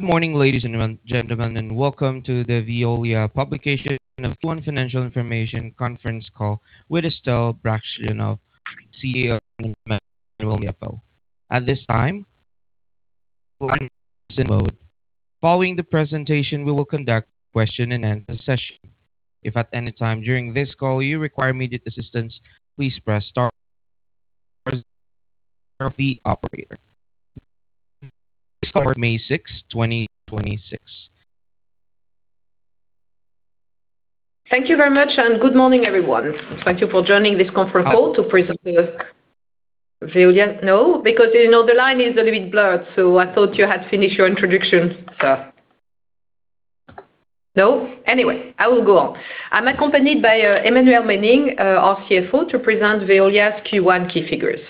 Good morning, ladies and gentlemen, and welcome to the Veolia publication of Q1 financial information conference call with Estelle Brachlianoff, CEO of Veolia. Following the presentation, we will conduct question and end the session. If at any time during this call you require immediate assistance, please press star operator. May 6, 2026. Thank you very much and good morning, everyone. Thank you for joining this conference call to present the Veolia. No, because, you know, the line is a little bit blurred, so I thought you had finished your introduction. No. Anyway, I will go on. I'm accompanied by Emmanuelle Menning, our CFO, to present Veolia's Q1 key figures.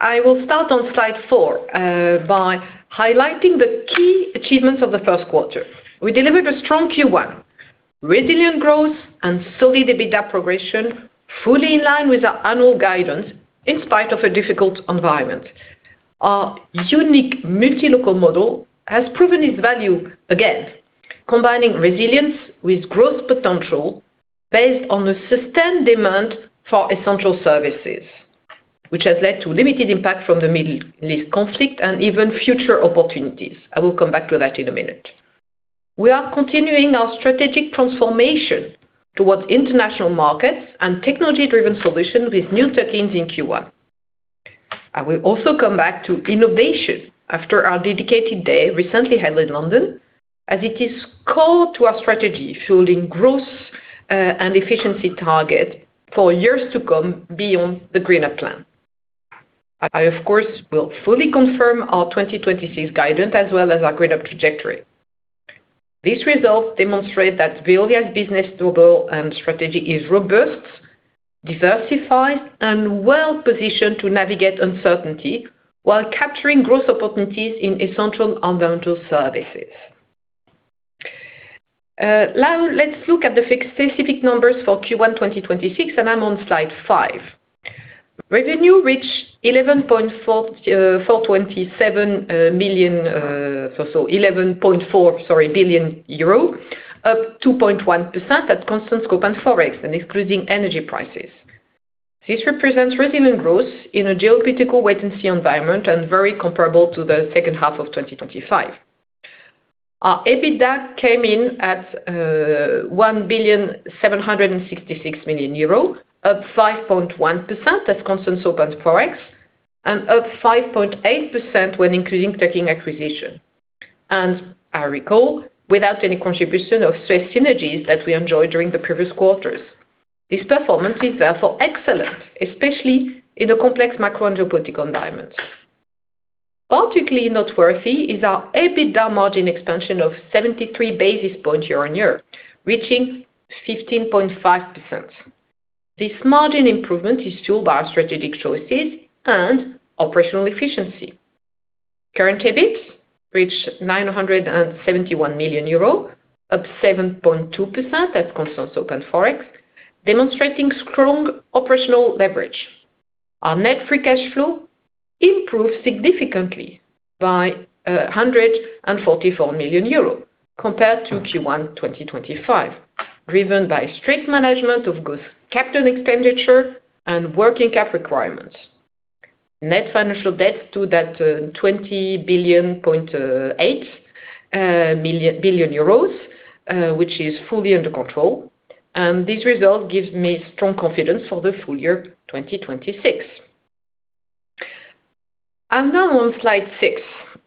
I will start on slide four by highlighting the key achievements of the first quarter. We delivered a strong Q1, resilient growth and solid EBITDA progression, fully in line with our annual guidance in spite of a difficult environment. Our unique multi-local model has proven its value, again, combining resilience with growth potential based on the sustained demand for essential services, which has led to limited impact from the Middle East conflict and even future opportunities. I will come back to that in a minute. We are continuing our strategic transformation towards international markets and technology-driven solutions with new tech gains in Q1. I will also come back to innovation after our dedicated day, recently held in London, as it is core to our strategy, fueling growth and efficiency target for years to come beyond the GreenUp plan. I, of course, will fully confirm our 2026 guidance as well as our greener trajectory. These results demonstrate that Veolia's business model and strategy is robust, diversified, and well-positioned to navigate uncertainty while capturing growth opportunities in essential environmental services. Now let's look at the specific numbers for Q1 2026, and I'm on slide five. Revenue reached EUR 11.4 billion, up 2.1% at constant scope and Forex and excluding energy prices. This represents resilient growth in a geopolitical wait-and-see environment and very comparable to the second half of 2025. Our EBITDA came in at 1.766 billion, up 5.1% at constant scope and Forex, and up 5.8% when including tech and acquisition. I recall, without any contribution of Suez synergies as we enjoy during the previous quarters. This performance is therefore excellent, especially in a complex macro and geopolitical environment. Particularly noteworthy is our EBITDA margin expansion of 73 basis points year on year, reaching 15.5%. This margin improvement is steered by our strategic choices and operational efficiency. Current EBIT reached 971 million euros, up 7.2% at constant scope and Forex, demonstrating strong operational leverage. Our net free cash flow improved significantly by 144 million euros compared to Q1 2025, driven by strict management of good capital expenditure and working cap requirements. Net financial debt stood at 20.8 billion, which is fully under control, and this result gives me strong confidence for the full year 2026. I'm now on slide six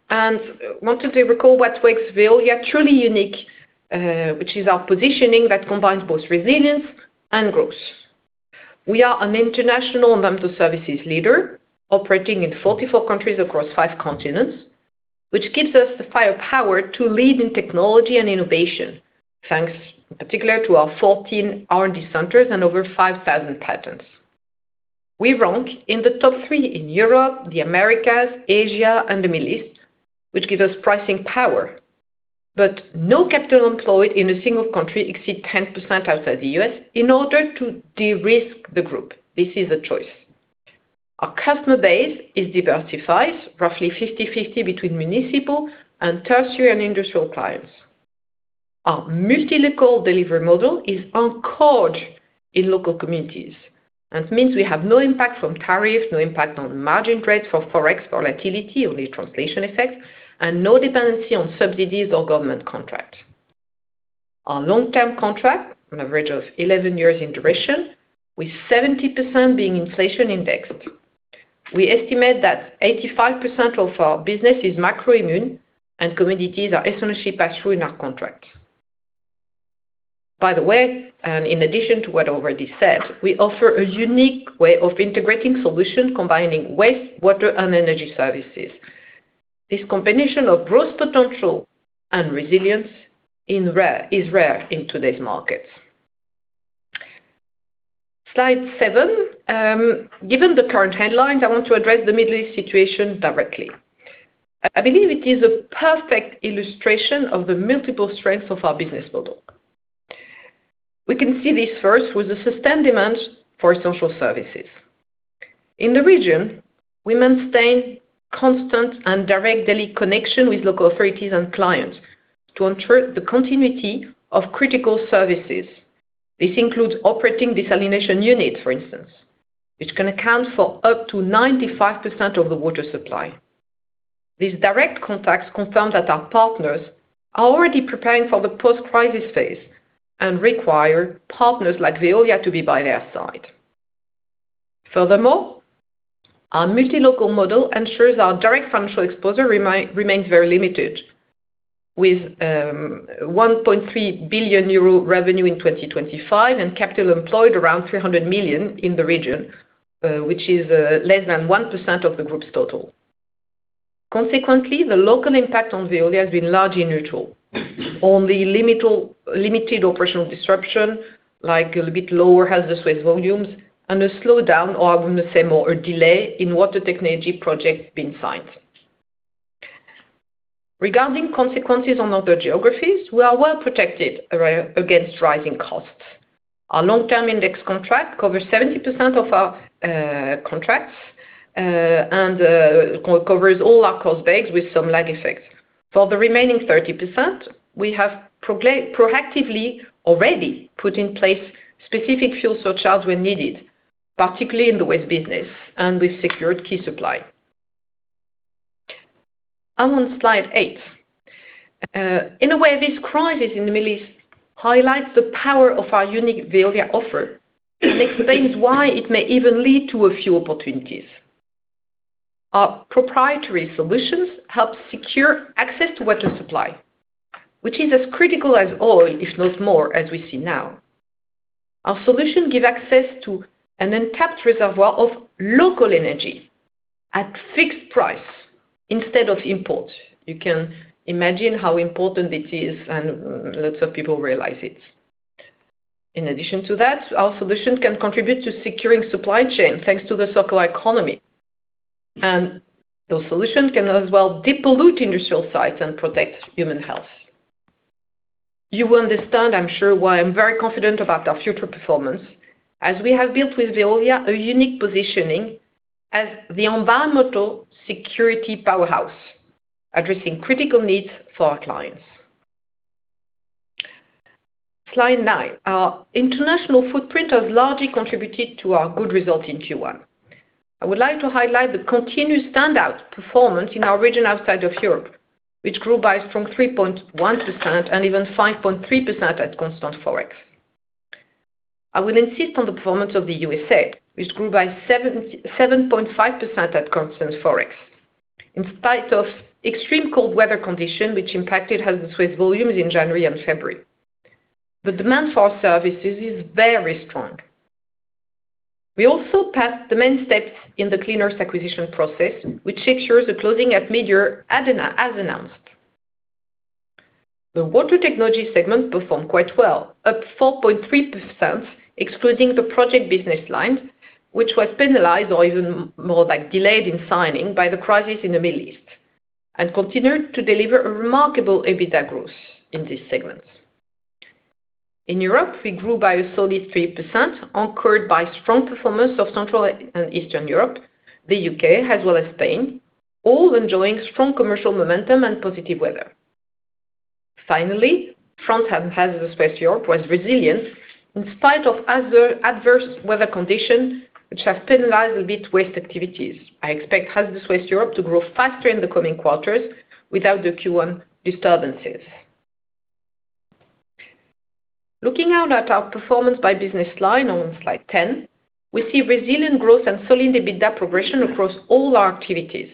and wanted to recall what makes Veolia truly unique, which is our positioning that combines both resilience and growth. We are an international environmental services leader operating in 44 countries across five continents, which gives us the firepower to lead in technology and innovation, thanks in particular to our 14 R&D centers and over 5,000 patents. We rank in the top three in Europe, the Americas, Asia, and the Middle East, which gives us pricing power. No capital employed in a single country exceed 10% outside the U.S. in order to de-risk the group. This is a choice. Our customer base is diversified, roughly 50/50 between municipal and tertiary and industrial clients. Our multi-local delivery model is anchored in local communities. That means we have no impact from tariffs, no impact on margin rates for Forex volatility, only translation effects, and no dependency on subsidies or government contracts. Our long-term contract, an average of 11 years in duration, with 70% being inflation indexed. We estimate that 85% of our business is macro immune and commodities are essentially passed through in our contract. By the way, and in addition to what I already said, we offer a unique way of integrating solutions combining waste, water, and energy services. This combination of growth potential and resilience is rare in today's markets. Slide seven. Given the current headlines, I want to address the Middle East situation directly. I believe it is a perfect illustration of the multiple strengths of our business model. We can see this first with the sustained demand for social services. In the region, we maintain constant and direct daily connection with local authorities and clients to ensure the continuity of critical services. This includes operating desalination units, for instance, which can account for up to 95% of the water supply. These direct contacts confirm that our partners are already preparing for the post-crisis phase and require partners like Veolia to be by their side. Furthermore, our multi-local model ensures our direct financial exposure remains very limited with 1.3 billion euro revenue in 2025 and capital employed around 300 million in the region, which is less than 1% of the group's total. Consequently, the local impact on Veolia has been largely neutral. Only limited operational disruption, like a little bit lower hazardous waste volumes and a slowdown, or I'm gonna say more, a delay in water technology projects being signed. Regarding consequences on other geographies, we are well protected against rising costs. Our long-term index contract covers 70% of our contracts and covers all our cost base with some lag effects. For the remaining 30%, we have proactively already put in place specific fuel surcharges where needed, particularly in the waste business and with secured key supply. I'm on slide eight. In a way, this crisis in the Middle East highlights the power of our unique Veolia offer and explains why it may even lead to a few opportunities. Our proprietary solutions help secure access to water supply, which is as critical as oil, if not more, as we see now. Our solution give access to an untapped reservoir of local energy at fixed price instead of import. You can imagine how important it is, and lots of people realize it. In addition to that, our solution can contribute to securing supply chain, thanks to the circular economy. Those solutions can as well depollute industrial sites and protect human health. You will understand, I'm sure, why I'm very confident about our future performance, as we have built with Veolia a unique positioning as the environmental security powerhouse, addressing critical needs for our clients. Slide nine. Our international footprint has largely contributed to our good result in Q1. I would like to highlight the continuous standout performance in our region outside of Europe, which grew by strong 3.1% and even 5.3% at constant Forex. I will insist on the performance of the U.S., which grew by 7.5% at constant Forex, in spite of extreme cold weather condition which impacted hazardous waste volumes in January and February. The demand for our services is very strong. We also passed the main steps in the Clean Earth acquisition process, which ensures the closing at midyear as announced. The water technology segment performed quite well, up 4.3%, excluding the project business line, which was penalized or even more like delayed in signing by the crisis in the Middle East, and continued to deliver a remarkable EBITDA growth in this segment. In Europe, we grew by a solid 3%, anchored by strong performance of Central and Eastern Europe, the U.K., as well as Spain, all enjoying strong commercial momentum and positive weather. Finally, front end hazardous waste Europe was resilient in spite of other adverse weather conditions which have penalized a bit waste activities. I expect hazardous waste Europe to grow faster in the coming quarters without the Q1 disturbances. Looking out at our performance by business line on slide 10, we see resilient growth and solid EBITDA progression across all our activities.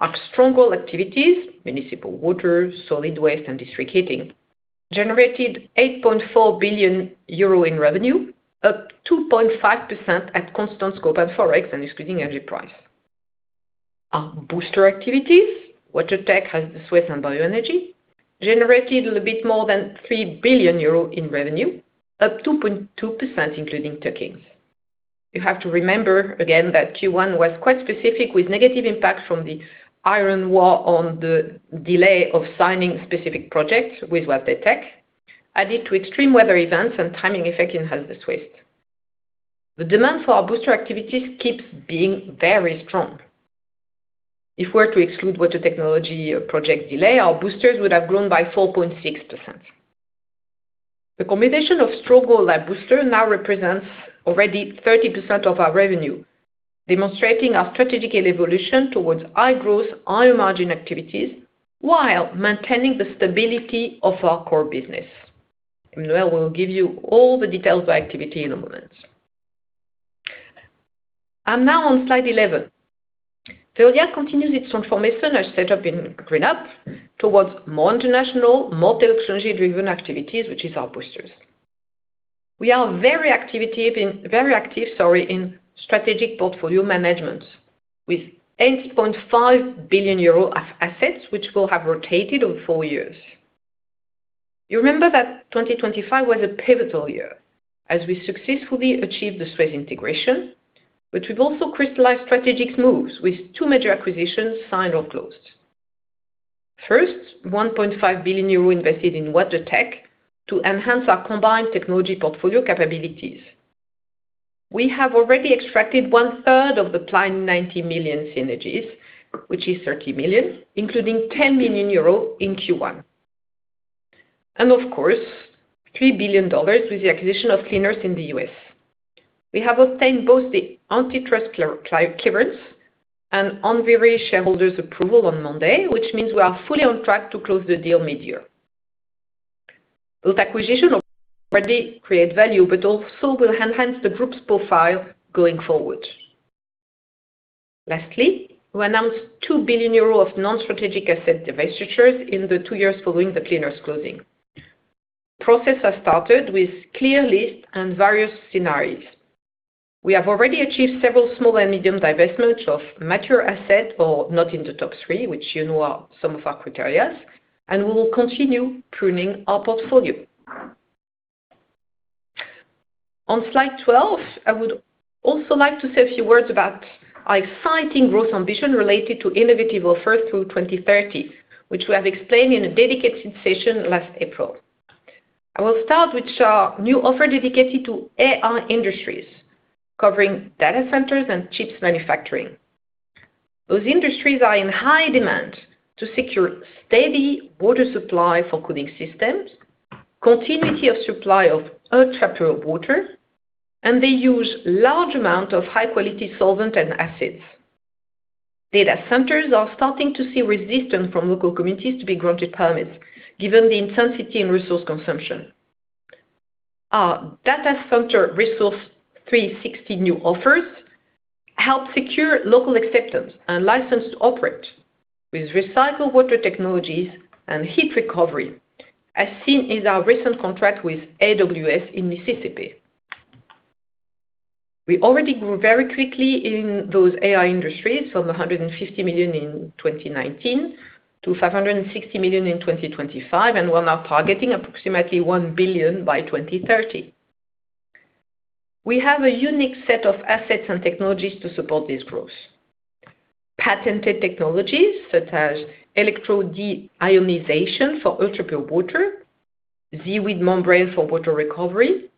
Our stronghold activities, municipal water, solid waste, and district heating, generated 8.4 billion euro in revenue, up 2.5% at constant scope and Forex and excluding energy price. Our booster activities, water tech, hazardous waste, and bioenergy, generated a little bit more than 3 billion euros in revenue, up 2.2% including tuck-ins. You have to remember again that Q1 was quite specific with negative impact from the Ukraine war on the delay of signing specific projects with water tech, added to extreme weather events and timing effect in hazardous waste. The demand for our booster activities keeps being very strong. If we're to exclude water technology project delay, our boosters would have grown by 4.6%. The combination of stronghold and booster now represents already 30% of our revenue, demonstrating our strategic evolution towards high growth, higher margin activities, while maintaining the stability of our core business. Emmanuelle Menning will give you all the details by activity in a moment. I'm now on slide 11. Veolia continues its transformation as set up in GreenUp towards more international, more technology-driven activities, which is our boosters. We are very active, sorry, in strategic portfolio management with 8.5 billion euro of assets which will have rotated over four years. You remember that 2025 was a pivotal year as we successfully achieved the Suez integration, which would also crystallize strategic moves with two major acquisitions signed or closed. First, 1.5 billion euro invested in water tech to enhance our combined technology portfolio capabilities. We have already extracted one third of the planned 90 million synergies, which is 30 million, including 10 million euro in Q1. Of course, $3 billion with the acquisition of Clean Earth in the U.S. We have obtained both the antitrust clearance and Enviri shareholders approval on Monday, which means we are fully on track to close the deal mid-year. Those acquisitions will already create value, also will enhance the group's profile going forward. Lastly, we announced 2 billion euros of non-strategic asset divestitures in the two years following the Clean Earth closing. Process has started with clear list and various scenarios. We have already achieved several small and medium divestments of mature asset or not in the top three, which you know are some of our criterias, we will continue pruning our portfolio. On slide 12, I would also like to say a few words about exciting growth ambition related to innovative offers through 2030, which we have explained in a dedicated session last April. I will start with our new offer dedicated to AI industries, covering data centers and chips manufacturing. Those industries are in high demand to secure steady water supply for cooling systems, continuity of supply of ultrapure water. They use large amount of high quality solvent and acids. Data centers are starting to see resistance from local communities to be granted permits given the intensity in resource consumption. Our Data Center Resource 360 new offers help secure local acceptance and license to operate with recycled water technologies and heat recovery, as seen in our recent contract with AWS in Mississippi. We already grew very quickly in those AI industries from 150 million in 2019 to 560 million in 2025. We're now targeting approximately 1 billion by 2030. We have a unique set of assets and technologies to support this growth. Patented technologies such as electrodeionization for ultrapure water, ZeeWeed membrane for water recovery,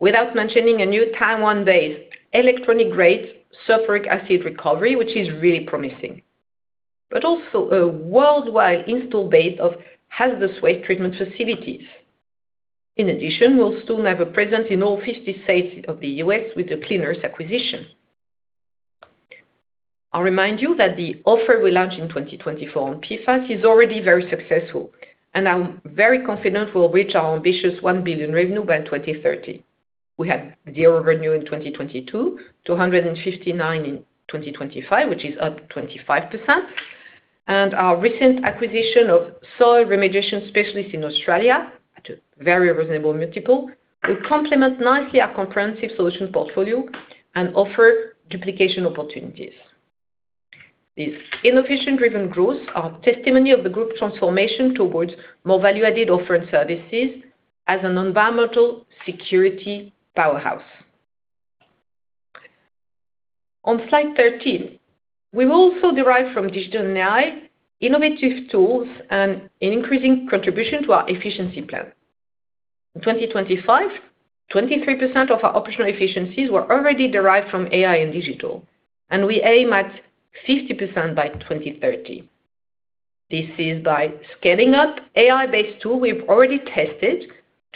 without mentioning a new Taiwan-based electronic-grade sulfuric acid recovery, which is really promising. Also a worldwide install base of hazardous waste treatment facilities. In addition, we'll soon have a presence in all 50 states of the U.S. with the Clean Earth acquisition. I'll remind you that the offer we launched in 2024 on PFAS is already very successful. I'm very confident we'll reach our ambitious 1 billion revenue by 2030. We had zero revenue in 2022, 259 in 2025, which is up 25%. Our recent acquisition of soil remediation specialist in Australia at a very reasonable multiple will complement nicely our comprehensive solution portfolio and offer duplication opportunities. This innovation-driven growth are testimony of the Group transformation towards more value-added offered services as an environmental security powerhouse. On slide 13, we will also derive from digital AI innovative tools and an increasing contribution to our efficiency plan. In 2025, 23% of our operational efficiencies were already derived from AI and digital, and we aim at 50% by 2030. This is by scaling up AI-based tool we've already tested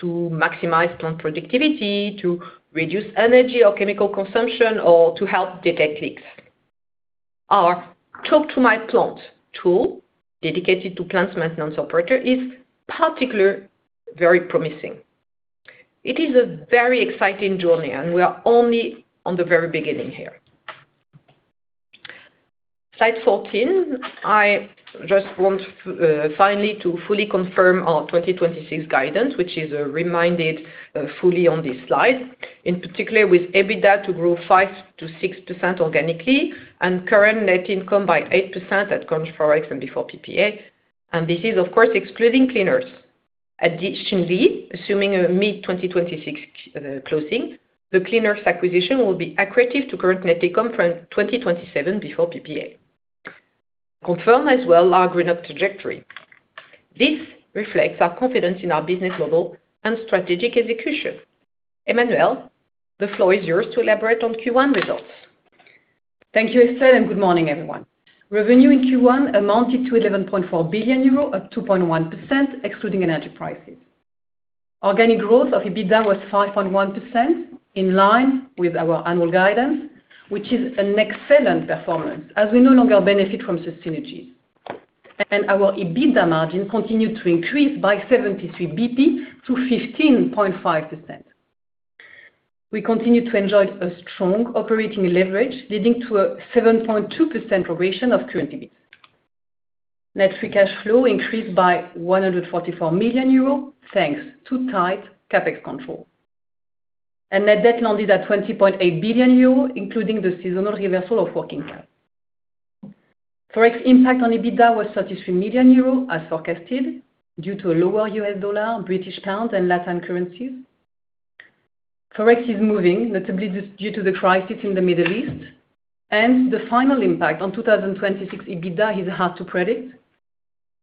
to maximize plant productivity, to reduce energy or chemical consumption, or to help detect leaks. Our Talk to My Plant tool, dedicated to plants maintenance operator, is particular very promising. It is a very exciting journey, and we are only on the very beginning here. Slide 14, I just want finally to fully confirm our 2026 guidance, which is reminded fully on this slide. In particular, with EBITDA to grow 5%-6% organically and current net income by 8% at constant Forex and before PPA. This is, of course, excluding Clean Earth. Additionally, assuming a mid-2026 closing, the Clean Earth acquisition will be accretive to current net income from 2027 before PPA. Confirm as well our GreenUp trajectory. This reflects our confidence in our business model and strategic execution. Emmanuelle, the floor is yours to elaborate on Q1 results. Thank you, Estelle, and good morning, everyone. Revenue in Q1 amounted to 11.4 billion euro at 2.1%, excluding energy prices. Organic growth of EBITDA was 5.1%, in line with our annual guidance, which is an excellent performance as we no longer benefit from the synergies. Our EBITDA margin continued to increase by 73 basis points to 15.5%. We continue to enjoy a strong operating leverage, leading to a 7.2% progression of current EBITDA. Net free cash flow increased by 144 million euro, thanks to tight CapEx control. Net debt landed at 20.8 billion euro, including the seasonal reversal of working capital. Forex impact on EBITDA was 33 million euros, as forecasted, due to a lower US dollar, British pound and Latin currencies. Forex is moving, notably this due to the crisis in the Middle East, and the final impact on 2026 EBITDA is hard to predict.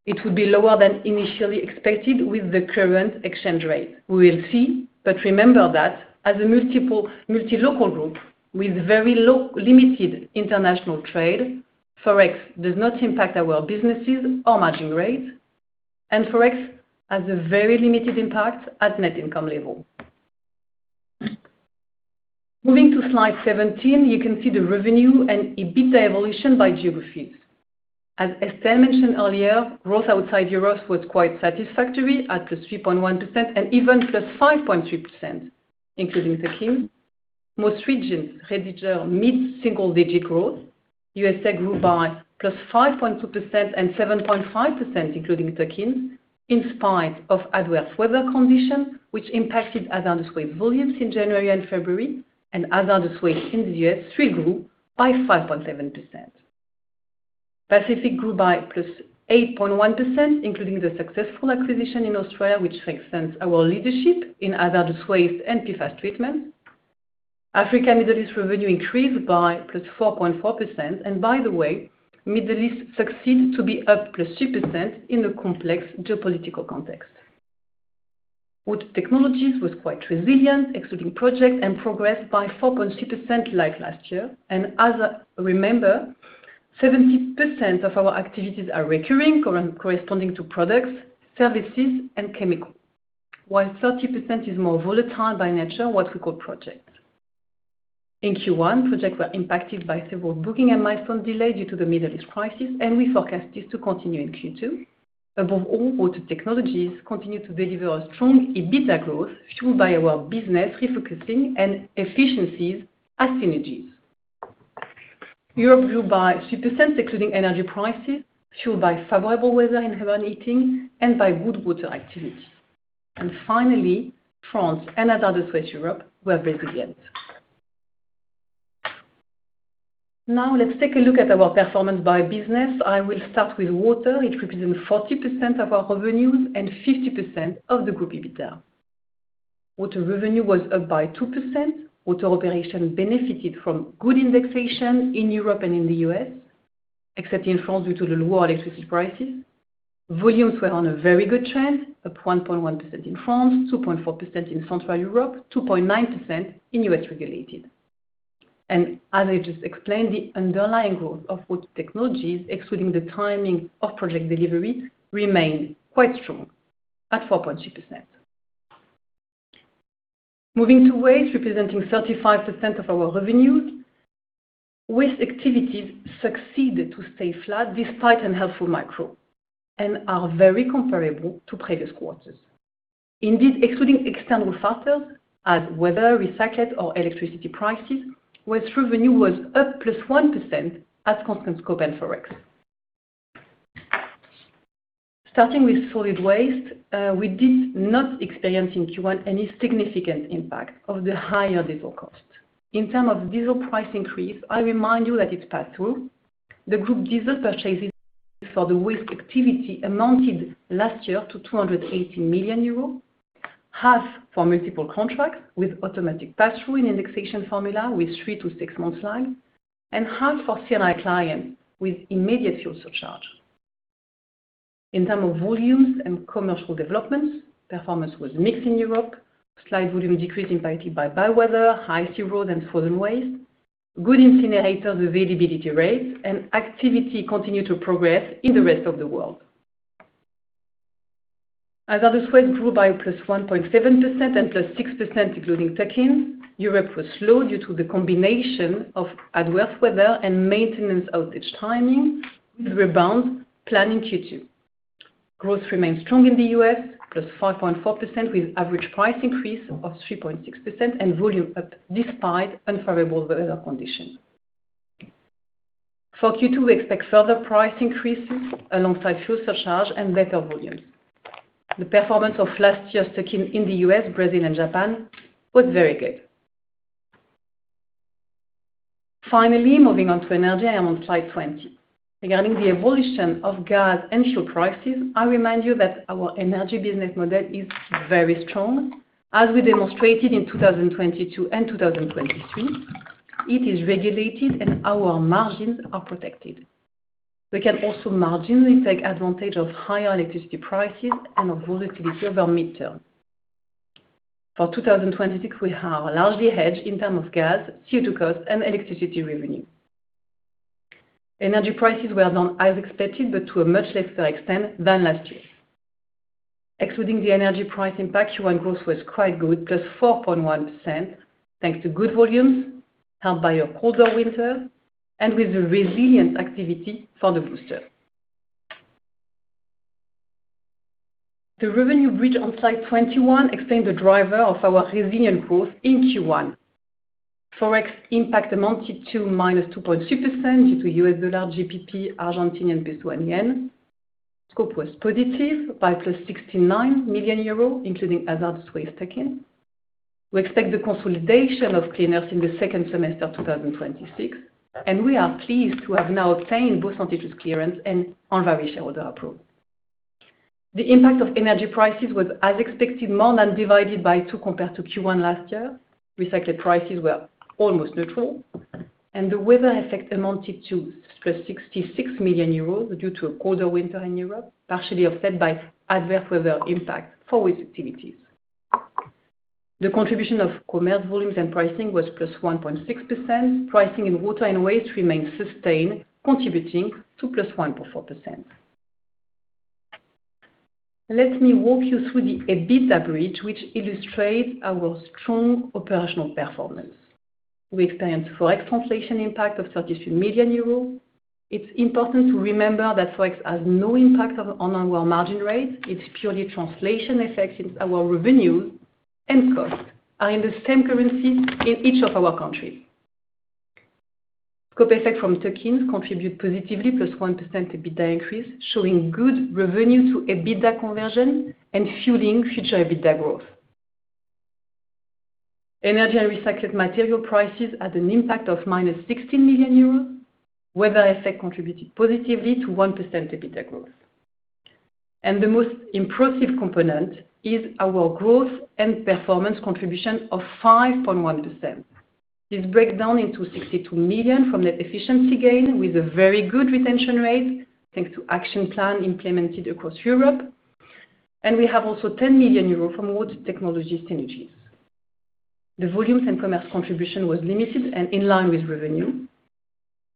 It will be lower than initially expected with the current exchange rate. We will see, but remember that as a multi-local group with limited international trade, Forex does not impact our businesses or margin rates, and Forex has a very limited impact at net income level. Moving to slide 17, you can see the revenue and EBITDA evolution by geographies. As Estelle mentioned earlier, growth outside Europe was quite satisfactory at +3.1% and even +5.3%, including tuck-ins. Most regions registered mid-single digit growth. U.S.A. grew by +5.2% and 7.5% including tuck-ins, in spite of adverse weather conditions, which impacted hazardous waste volumes in January and February. Hazardous waste in the U.S. still grew by 5.7%. Pacific grew by +8.1%, including the successful acquisition in Australia, which extends our leadership in hazardous waste and PFAS treatment. Africa and Middle East revenue increased by +4.4%. By the way, Middle East succeeds to be up +2% in a complex geopolitical context. Water technologies was quite resilient, excluding projects, progressed by 4.2% like last year. As I remember, 70% of our activities are recurring, corresponding to products, services, and chemicals. While 30% is more volatile by nature, what we call projects. In Q1, projects were impacted by several booking and milestone delays due to the Middle East crisis, and we forecast this to continue in Q2. Above all, water technologies continue to deliver a strong EBITDA growth, fueled by our business refocusing and efficiencies and synergies. Europe grew by 6%, excluding energy prices, fueled by favorable weather in home heating and by good water activity. Finally, France and hazardous waste Europe were resilient. Now let's take a look at our performance by business. I will start with water. It represents 40% of our revenues and 50% of the group EBITDA. Water revenue was up by 2%. Water operation benefited from good indexation in Europe and in the U.S., except in France, due to the lower electricity prices. Volumes were on a very good trend, up 1.1% in France, 2.4% in Central Europe, 2.9% in U.S. regulated. As I just explained, the underlying growth of water technologies, excluding the timing of project delivery, remained quite strong at 4.2%. Moving to waste, representing 35% of our revenues. Waste activities succeeded to stay flat despite unhelpful macro and are very comparable to previous quarters. Indeed, excluding external factors as weather, recyclate or electricity prices, waste revenue was up +1% at constant scope and Forex. Starting with solid waste, we did not experience in Q1 any significant impact of the higher diesel cost. In terms of diesel price increase, I remind you that it's pass-through. The group diesel purchases for the waste activity amounted last year to 280 million euros, half for multiple contracts with automatic passthrough and indexation formula with three to six months lag, and half for C&I clients with immediate fuel surcharge. In term of volumes and commercial developments, performance was mixed in Europe. Slight volume decrease impacted by bad weather, I&C route, and frozen waste. Good incinerator availability rates and activity continued to progress in the rest of the world. Hazardous waste grew by +1.7% and +6% including tuck-ins. Europe was slow due to the combination of adverse weather and maintenance outage timing, with rebound planned in Q2. Growth remains strong in the U.S., +5.4% with average price increase of 3.6% and volume up despite unfavorable weather conditions. For Q2, we expect further price increases alongside fuel surcharge and better volumes. The performance of last year's tuck-in in the U.S., Brazil, and Japan was very good. Finally, moving on to energy, I'm on slide 20. Regarding the evolution of gas and fuel prices, I remind you that our energy business model is very strong. As we demonstrated in 2022 and 2023, it is regulated and our margins are protected. We can also marginally take advantage of higher electricity prices and of volatility over midterm. For 2026, we are largely hedged in term of gas, CO2 cost, and electricity revenue. Energy prices were down as expected, but to a much lesser extent than last year. Excluding the energy price impact, Q1 growth was quite good, +4.1%, thanks to good volumes helped by a colder winter and with a resilient activity for the booster. The revenue bridge on slide 21 explain the driver of our resilient growth in Q1. Forex impact amounted to -2.6% due to U.S. dollar, GBP, Argentine peso, and yen. Scope was positive by 69 million euro, including hazardous waste tuck-in. We expect the consolidation of Clean Earth in the second semester of 2026, and we are pleased to have now obtained both antitrust clearance and Enviri shareholder approval. The impact of energy prices was, as expected, more than divided by two compared to Q1 last year. Recycled prices were almost neutral. The weather effect amounted to +66 million euros due to a colder winter in Europe, partially offset by adverse weather impact for waste activities. The contribution of commerce volumes and pricing was +1.6%. Pricing in water and waste remains sustained, contributing to +1.4%. Let me walk you through the EBITDA bridge, which illustrates our strong operational performance. We experienced Forex translation impact of 33 million euros. It's important to remember that Forex has no impact on our margin rates. It's purely translation effects since our revenues and costs are in the same currency in each of our countries. Scope effect from tuck-ins contribute positively +1% EBITDA increase, showing good revenue to EBITDA conversion and fueling future EBITDA growth. Energy and recycled material prices had an impact of -60 million euros. Weather effect contributed positively to 1% EBITDA growth. The most impressive component is our growth and performance contribution of 5.1%. This breakdown into 62 million from net efficiency gain, with a very good retention rate, thanks to action plan implemented across Europe. We have also 10 million euros from water technology synergies. The volumes and commerce contribution was limited and in line with revenue.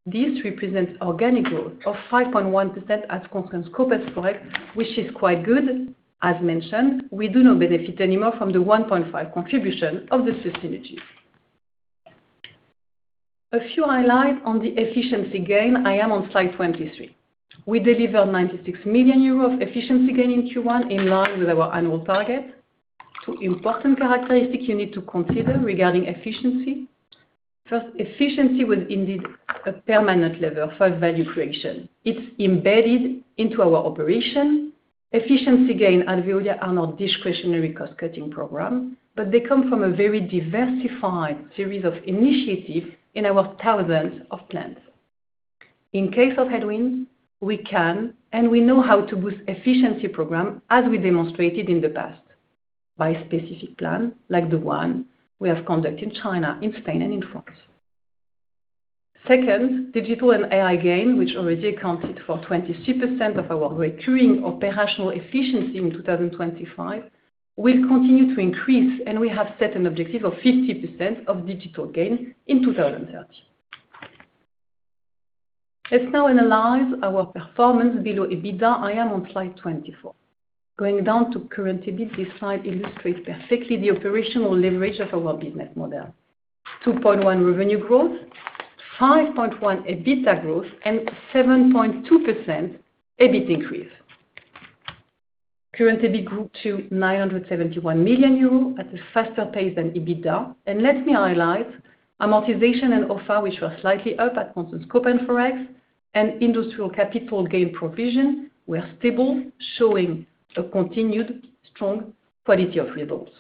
This represents organic growth of 5.1% at constant scope as Forex, which is quite good. As mentioned, we do not benefit anymore from the 1.5 contribution of the synergies. A few highlights on the efficiency gain. I am on slide 23. We delivered 96 million euros of efficiency gain in Q1, in line with our annual target. Two important characteristics you need to consider regarding efficiency. Efficiency was indeed a permanent lever for value creation. It's embedded into our operation. Efficiency gain at Veolia are not discretionary cost-cutting program, they come from a very diversified series of initiatives in our thousands of plants. In case of headwinds, we can and we know how to boost efficiency program, as we demonstrated in the past, by specific plan like the one we have conducted in China, in Spain, and in France. Digital and AI gain, which already accounted for 23% of our recurring operational efficiency in 2025, will continue to increase, we have set an objective of 50% of digital gain in 2030. Let's now analyze our performance below EBITDA. I am on slide 24. Going down to current EBIT, this slide illustrates perfectly the operational leverage of our business model. 2.1% revenue growth, 5.1% EBITDA growth, 7.2% EBIT increase. Current EBIT grew to 971 million euros at a faster pace than EBITDA. Let me highlight amortization and other, which were slightly up at constant scope and Forex and industrial capital gain provision were stable, showing a continued strong quality of results.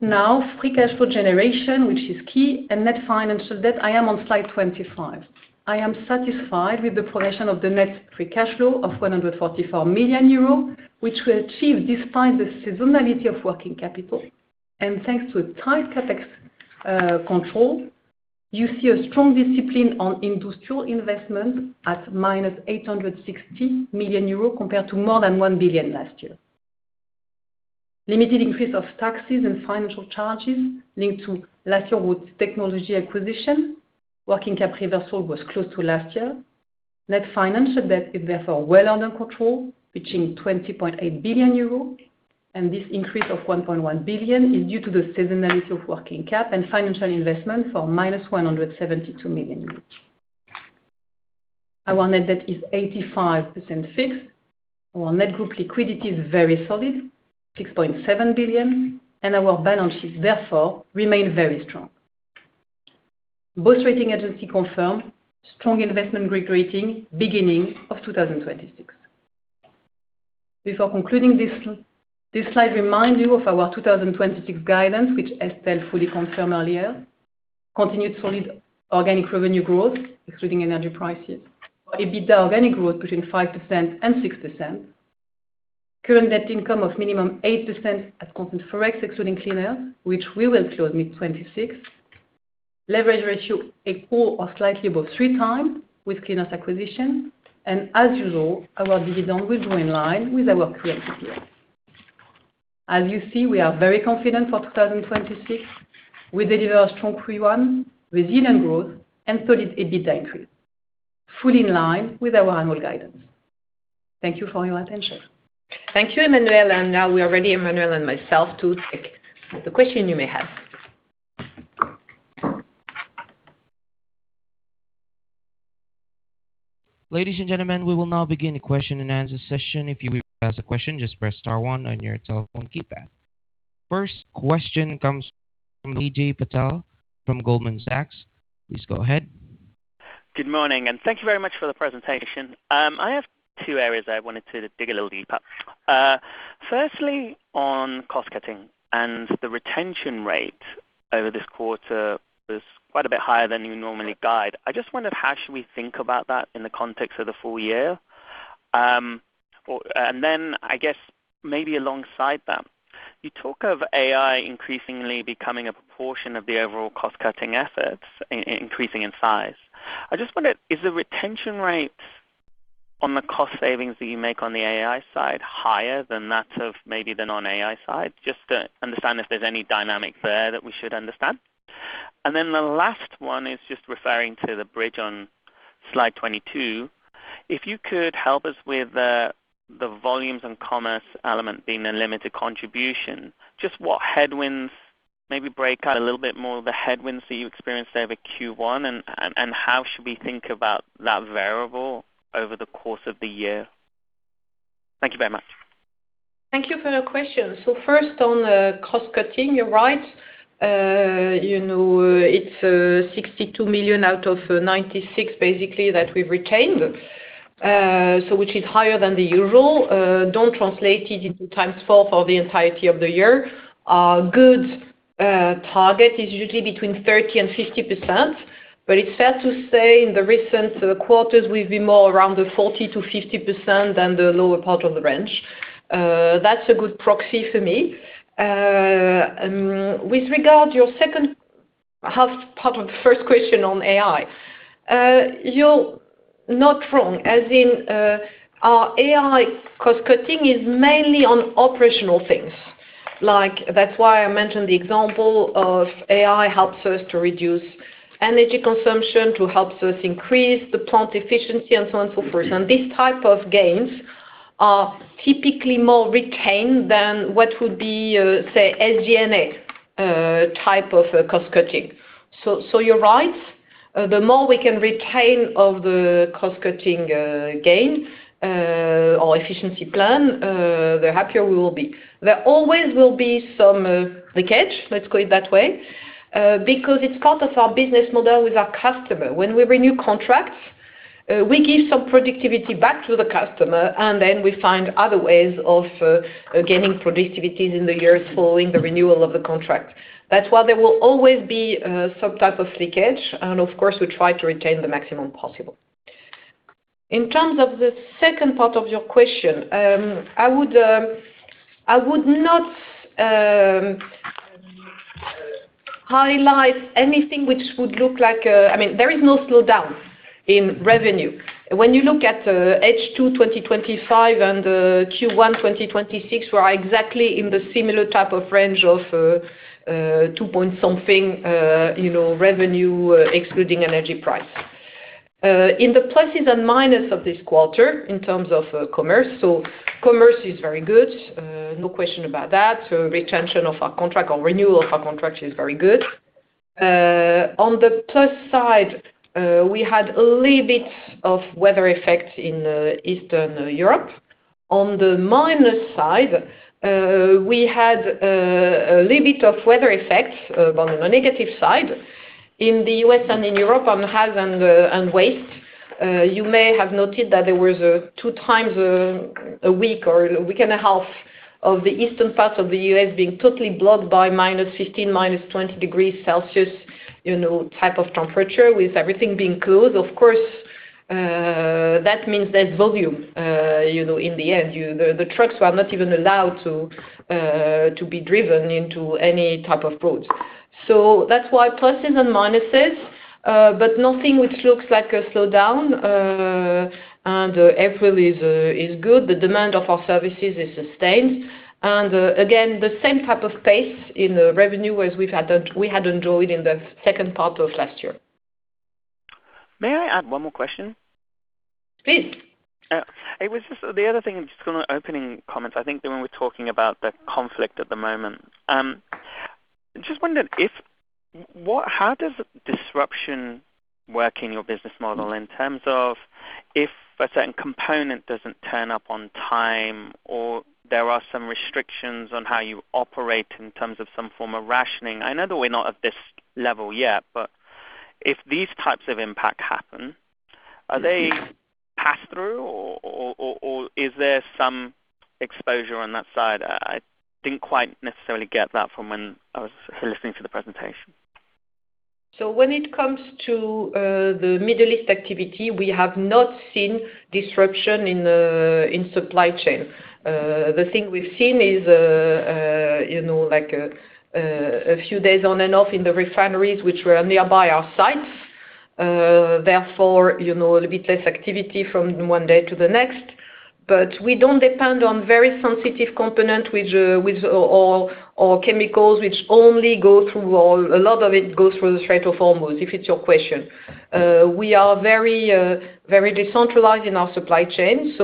Now, free cash flow generation, which is key, and net financial debt. I am on slide 25. I am satisfied with the progression of the net free cash flow of 144 million euros, which we achieved despite the seasonality of working capital. Thanks to a tight CapEx control, you see a strong discipline on industrial investment at -860 million euros compared to more than 1 billion last year. Limited increase of taxes and financial charges linked to last year water technology acquisition. Working capital reversal was close to last year. Net financial debt is therefore well under control, reaching 20.8 billion euros. This increase of 1.1 billion is due to the seasonality of working cap and financial investment for -172 million euros. Our net debt is 85% fixed. Our net group liquidity is very solid, 6.7 billion, and our balance sheets, therefore, remain very strong. Both rating agency confirmed strong investment-grade rating beginning of 2026. Before concluding, this slide remind you of our 2026 guidance, which Estelle fully confirmed earlier. Continued solid organic revenue growth, excluding energy prices. For EBITDA, organic growth between 5% and 6%. Current net income of minimum 8% at constant Forex, excluding Clean Earth, which we will close mid-2026. Leverage ratio equal or slightly above 3x with Clean Earth acquisition. As usual, our dividend will grow in line with our accretive year. As you see, we are very confident for 2026. We deliver a strong Q1, resilient growth, and solid EBITDA increase, fully in line with our annual guidance. Thank you for your attention. Thank you, Emmanuelle. Now we are ready, Emmanuelle and myself, to take the question you may have. Ladies and gentlemen, we will now begin the question-and-answer session. If you wish to ask a question, just press star one on your telephone keypad. First question comes from Ajay Patel from Goldman Sachs. Please go ahead. Good morning, and thank you very much for the presentation. I have two areas I wanted to dig a little deeper. Firstly, on cost-cutting and the retention rate. Over this quarter was quite a bit higher than you normally guide. I just wondered, how should we think about that in the context of the full year? I guess maybe alongside that, you talk of AI increasingly becoming a proportion of the overall cost-cutting efforts increasing in size. I just wondered, is the retention rate on the cost savings that you make on the AI side higher than that of maybe the non-AI side? Just to understand if there's any dynamic there that we should understand. The last one is just referring to the bridge on slide 22. If you could help us with the volumes and commerce element being a limited contribution, just what headwinds Maybe break out a little bit more of the headwinds that you experienced over Q1 and how should we think about that variable over the course of the year? Thank you very much. Thank you for your question. First, on the cost-cutting, you're right. It's 62 million out of 96 million basically that we've retained, which is higher than the usual, don't translate it into four times for the entirety of the year. Our good target is usually between 30% and 50%, but it's fair to say in the recent quarters, we've been more around the 40%-50% than the lower part of the range. That's a good proxy for me. With regard to your second half part of the first question on AI, you're not wrong, as in, our AI cost-cutting is mainly on operational things, like that's why I mentioned the example of AI helps us to reduce energy consumption, to help us increase the plant efficiency, and so on and so forth. These type of gains are typically more retained than what would be, say, SG&A type of cost-cutting. You're right. The more we can retain of the cost-cutting gain or efficiency plan, the happier we will be. There always will be some leakage, let's call it that way, because it's part of our business model with our customer. When we renew contracts, we give some productivity back to the customer, then we find other ways of gaining productivities in the years following the renewal of the contract. That's why there will always be some type of leakage and, of course, we try to retain the maximum possible. In terms of the second part of your question, I would, I would not highlight anything which would look like I mean, there is no slowdown in revenue. When you look at H2 2025 and Q1 2026, we're exactly in the similar type of range of two-point-something, you know, revenue, excluding energy price. In the pluses and minus of this quarter, in terms of commerce is very good. No question about that. Retention of our contract or renewal of our contract is very good. On the plus side, we had a little bit of weather effects in Eastern Europe. On the minus side, we had a little bit of weather effects, but on the negative side. In the U.S. and in Europe, on haz and waste, you may have noted that there was two times a week or a week and a half of the eastern part of the U.S. being totally blocked by -15, -20 degrees Celsius, you know, type of temperature, with everything being closed. Of course, that means there's volume, you know, in the end. The trucks were not even allowed to be driven into any type of roads. That's why pluses and minuses, but nothing which looks like a slowdown. April is good. The demand of our services is sustained. Again, the same type of pace in the revenue as we had enjoyed in the second part of last year. May I add one more question? Please. It was the other thing, just on the opening comments. I think that when we're talking about the conflict at the moment, just wondering how does disruption work in your business model in terms of if a certain component doesn't turn up on time or there are some restrictions on how you operate in terms of some form of rationing? I know that we're not at this level yet, if these types of impact happen, are they pass-through or is there some exposure on that side? I didn't quite necessarily get that from when I was listening to the presentation. When it comes to the Middle East activity, we have not seen disruption in supply chain. The thing we've seen is, you know, like, a few days on and off in the refineries which were nearby our sites. You know, a little bit less activity from one day to the next. We don't depend on very sensitive component which- Or chemicals which only go through all A lot of it goes through the Strait of Hormuz, if it's your question. We are very, very decentralized in our supply chain.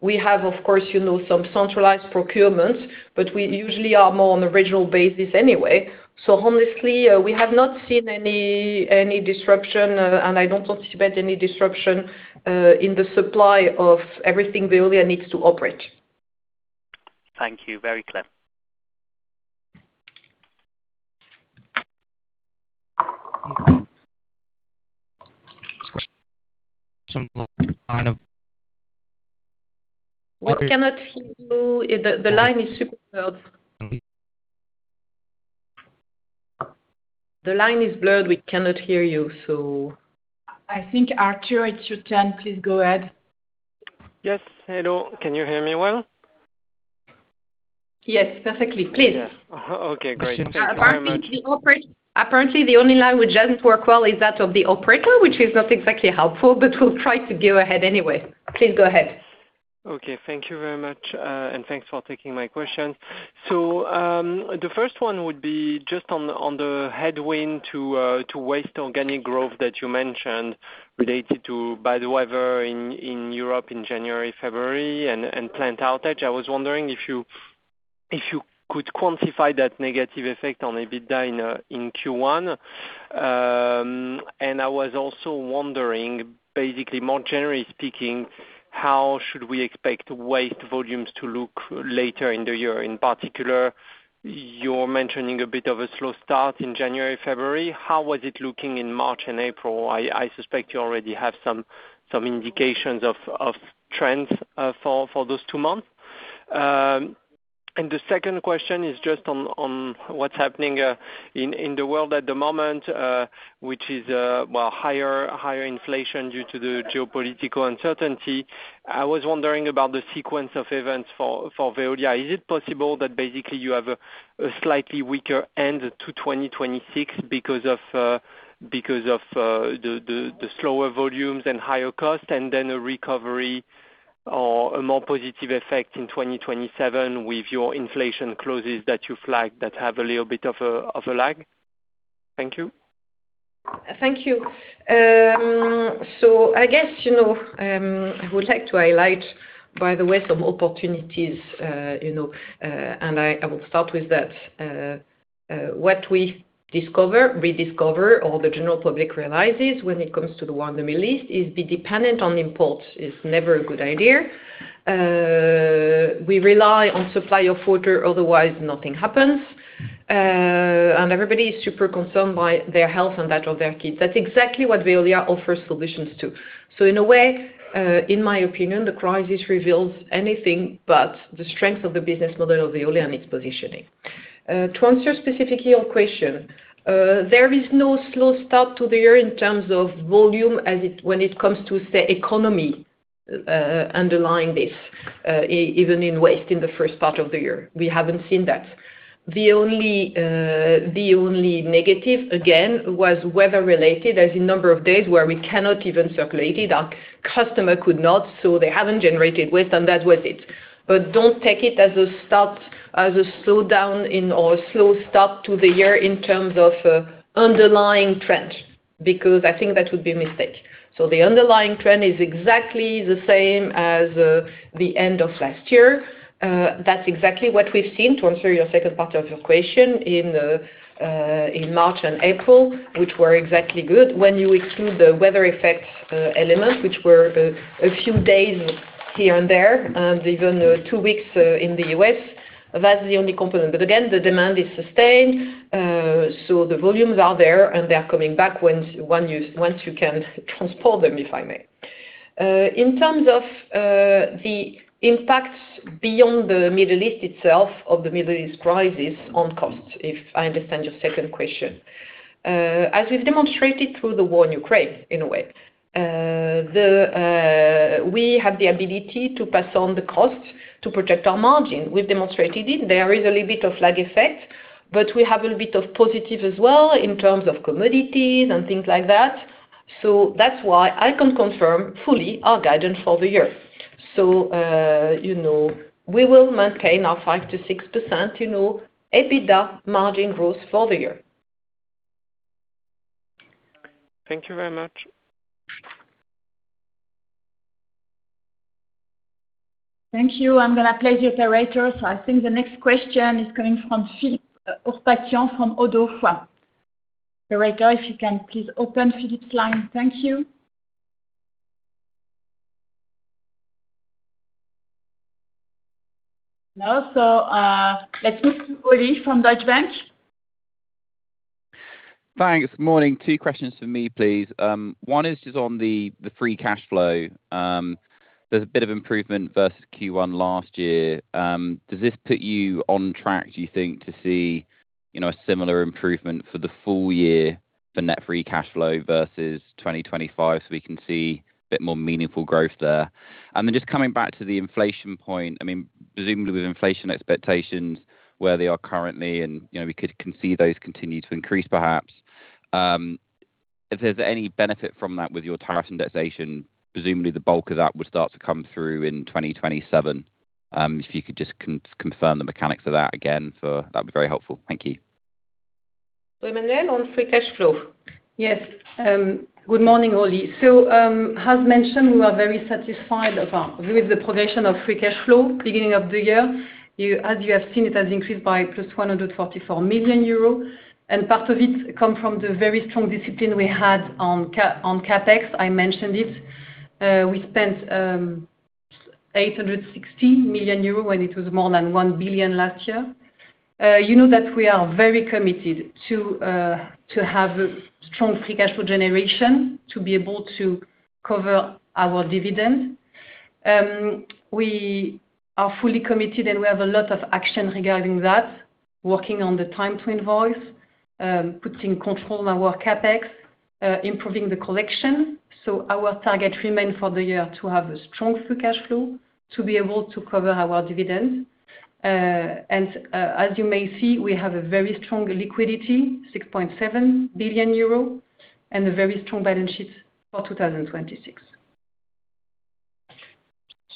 We have, of course, you know, some centralized procurements, but we usually are more on a regional basis anyway. Honestly, we have not seen any disruption, and I don't anticipate any disruption in the supply of everything Veolia needs to operate. Thank you. Very clear. We cannot hear you. The line is super blurred. The line is blurred. We cannot hear you, so I think, Arthur, it is your turn. Please go ahead. Yes. Hello. Can you hear me well? Yes, perfectly. Please. Yeah. Okay, great. Thank you very much. Apparently, the only line which doesn't work well is that of the operator, which is not exactly helpful, but we'll try to go ahead anyway. Please go ahead. Okay. Thank you very much. Thanks for taking my question. The first one would be just on the headwind to waste organic growth that you mentioned related to bad weather in Europe in January, February and plant outage. I was wondering if you could quantify that negative effect on EBITDA in Q1. I was also wondering, more generally speaking, how should we expect waste volumes to look later in the year? In particular, you're mentioning a bit of a slow start in January, February. How was it looking in March and April? I suspect you already have some indications of trends for those two months. The second question is just on what's happening in the world at the moment, which is, well, higher inflation due to the geopolitical uncertainty. I was wondering about the sequence of events for Veolia. Is it possible that basically you have a slightly weaker end to 2026 because of the slower volumes and higher cost, and then a recovery or a more positive effect in 2027 with your inflation clauses that you flagged that have a little bit of a lag? Thank you. Thank you. I guess, you know, I would like to highlight, by the way, some opportunities, you know, and I will start with that. What we discover, rediscover, or the general public realizes when it comes to the water release is be dependent on imports is never a good idea. We rely on supply of water, otherwise nothing happens. Everybody is super concerned by their health and that of their kids. That's exactly what Veolia offers solutions to. In a way, in my opinion, the crisis reveals anything but the strength of the business model of Veolia and its positioning. To answer specifically your question, there is no slow start to the year in terms of volume when it comes to, say, economy, underlying this, even in waste in the first part of the year. We haven't seen that. The only negative, again, was weather-related. There's a number of days where we cannot even circulate it. Our customer could not, so they haven't generated waste, and that was it. Don't take it as a start, as a slowdown in or slow start to the year in terms of underlying trend, because I think that would be a mistake. The underlying trend is exactly the same as the end of last year. That's exactly what we've seen, to answer your second part of your question, in March and April, which were exactly good. When you exclude the weather effects element, which were a few days here and there, and even two weeks in the U.S., that's the only component. Again, the demand is sustained. The volumes are there, and they are coming back once once you can transport them, if I may. In terms of the impacts beyond the Middle East itself of the Middle East crisis on costs, if I understand your second question. As we've demonstrated through the war in Ukraine, in a way, the we have the ability to pass on the costs to protect our margin. We've demonstrated it. There is a little bit of lag effect, but we have a little bit of positive as well in terms of commodities and things like that. That's why I can confirm fully our guidance for the year. You know, we will maintain our 5%-6%, you know, EBITDA margin growth for the year. Thank you very much. Thank you. I'm going to play the operator. I think the next question is coming from Philippe Ourpatian from ODDO. Operator, if you can please open Philippe's line. Thank you. No. Let's move to Olly from Deutsche Bank. Thanks. Morning. Two questions from me, please. One is just on the free cash flow. There's a bit of improvement versus Q1 last year. Does this put you on track, do you think, to see, you know, a similar improvement for the full year for net free cash flow versus 2025, so we can see a bit more meaningful growth there? Just coming back to the inflation point, I mean, presumably with inflation expectations where they are currently and, you know, we can see those continue to increase, perhaps. If there's any benefit from that with your tariff indexation, presumably the bulk of that would start to come through in 2027. If you could just confirm the mechanics of that again for That'd be very helpful. Thank you. Emmanuelle, on free cash flow. Yes. good morning, Olly. As mentioned, we are very satisfied with the progression of free cash flow beginning of the year. As you have seen, it has increased by +144 million euros, and part of it come from the very strong discipline we had on CapEx. I mentioned it. We spent, 860 million euros when it was more than 1 billion last year. You know that we are very committed to have a strong free cash flow generation to be able to cover our dividend. We are fully committed, and we have a lot of action regarding that, working on the time to invoice, putting control on our CapEx, improving the collection. Our target remain for the year to have a strong free cash flow to be able to cover our dividends. And as you may see, we have a very strong liquidity, 6.7 billion euro, and a very strong balance sheet for 2026.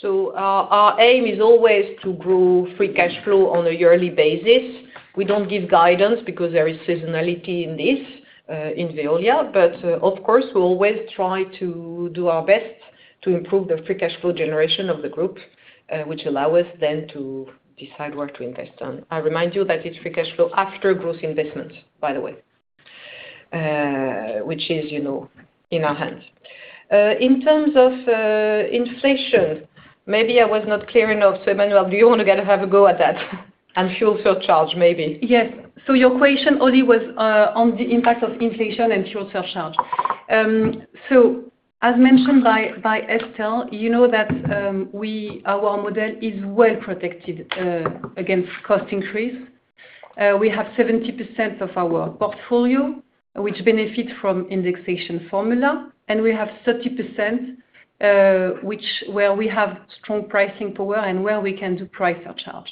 Our aim is always to grow free cash flow on a yearly basis. We don't give guidance because there is seasonality in this, in Veolia. Of course, we always try to do our best to improve the free cash flow generation of the group, which allow us then to decide where to invest on. I remind you that it's free cash flow after gross investments, by the way, which is, you know, in our hands. In terms of inflation, maybe I was not clear enough. Emmanuelle, do you wanna get to have a go at that and fuel surcharge maybe? Yes. Your question only was on the impact of inflation and fuel surcharge. As mentioned by Estelle, you know that our model is well protected against cost increase. We have 70% of our portfolio which benefit from indexation formula, and we have 30% which where we have strong pricing power and where we can do price surcharge.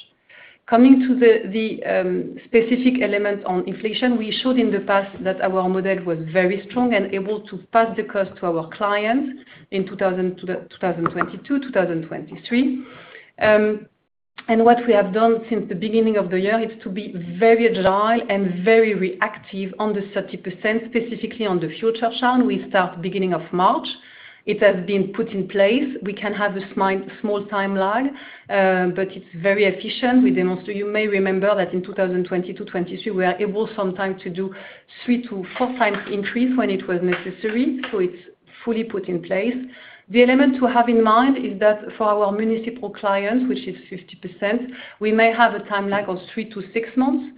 Coming to the specific element on inflation, we showed in the past that our model was very strong and able to pass the cost to our clients in 2022, 2023. What we have done since the beginning of the year is to be very agile and very reactive on the 30%, specifically on the fuel surcharge. We start beginning of March. It has been put in place. We can have a small timeline, but it's very efficient. We demonstrate. You may remember that in 2020 to 2022, we are able sometimes to do three to four times increase when it was necessary. It's fully put in place. The element to have in mind is that for our municipal clients, which is 50%, we may have a timeline of three to six months.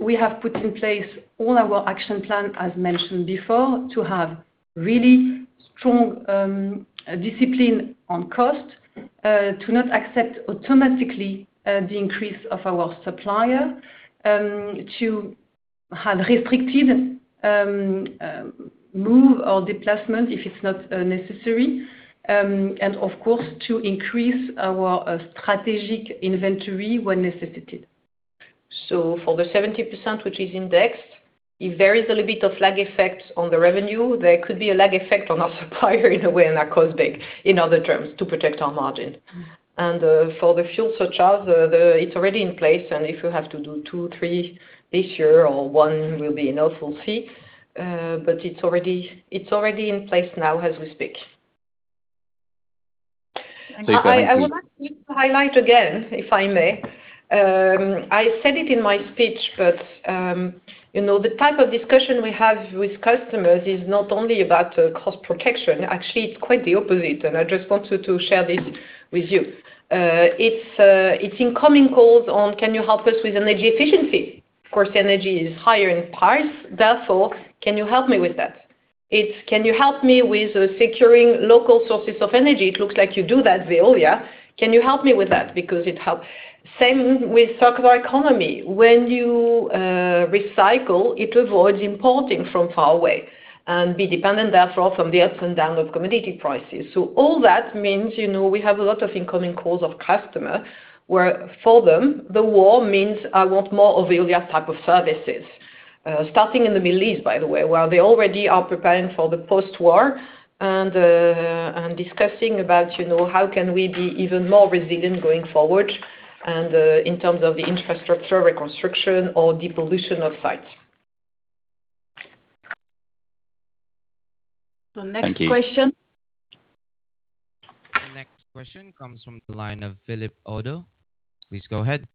We have put in place all our action plan, as mentioned before, to have really strong discipline on cost, to not accept automatically the increase of our supplier, to have restricted move or displacement if it's not necessary, of course, to increase our strategic inventory when necessary. For the 70%, which is indexed, if there is a little bit of lag effect on the revenue, there could be a lag effect on our supplier in a way and our cost base, in other terms, to protect our margin. For the fuel surcharge, it's already in place, and if you have to do two, three this year or one will be enough, we'll see. It's already in place now as we speak. Thank you. I would like to highlight again, if I may. I said it in my speech, but, you know, the type of discussion we have with customers is not only about cost protection. Actually, it's quite the opposite. I just wanted to share this with you. It's incoming calls on, can you help us with energy efficiency? Of course, energy is higher in price. Can you help me with that? It's, can you help me with securing local sources of energy? It looks like you do that, Veolia. Can you help me with that? It helps. Same with circular economy. When you recycle, it avoids importing from far away and be dependent therefore on the ups and downs of commodity prices. All that means, you know, we have a lot of incoming calls of customer where for them, the war means I want more of Veolia type of services. Starting in the Middle East, by the way, where they already are preparing for the post-war and discussing about, you know, how can we be even more resilient going forward in terms of the infrastructure reconstruction or depollution of sites. Thank you. Next question. The next question comes from the line of Philippe Oddo. Please go ahead.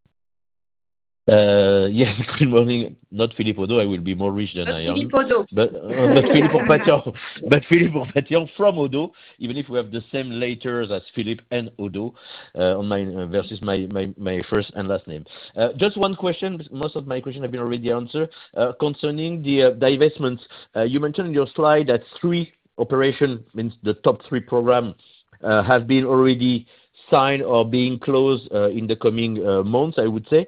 Yes. Good morning. Not Philippe Oddo. I will be more rich than I am. Not Philippe Oddo. Philippe Ourpatian from ODDO, even if we have the same letters as Philippe and Oddo, versus my first and last name. Just one question. Most of my question have been already answered. Concerning the divestments, you mentioned in your slide that three operation, means the top three programs, have been already signed or being closed in the coming months, I would say.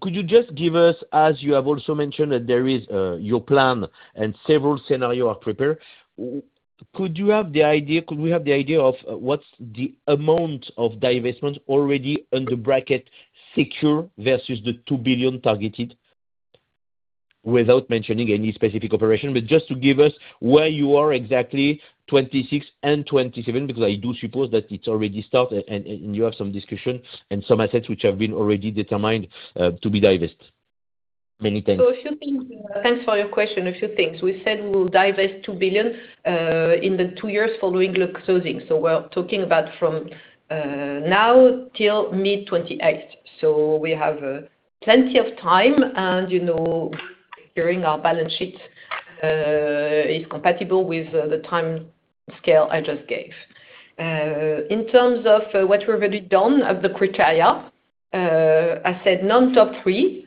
Could you just give us, as you have also mentioned that there is your plan and several scenario are prepared. Could we have the idea of what's the amount of divestment already under bracket secure versus the 2 billion targeted? Without mentioning any specific operation, but just to give us where you are exactly, 2026 and 2027, because I do suppose that it already started and you have some discussion and some assets which have been already determined to be divested. Many thanks. A few things. Thanks for your question. A few things. We said we'll divest 2 billion in the two years following the closing. We're talking about from now till mid-2028. We have plenty of time and, you know, during our balance sheet is compatible with the timescale I just gave. In terms of what we've already done of the criteria, I said non-top three,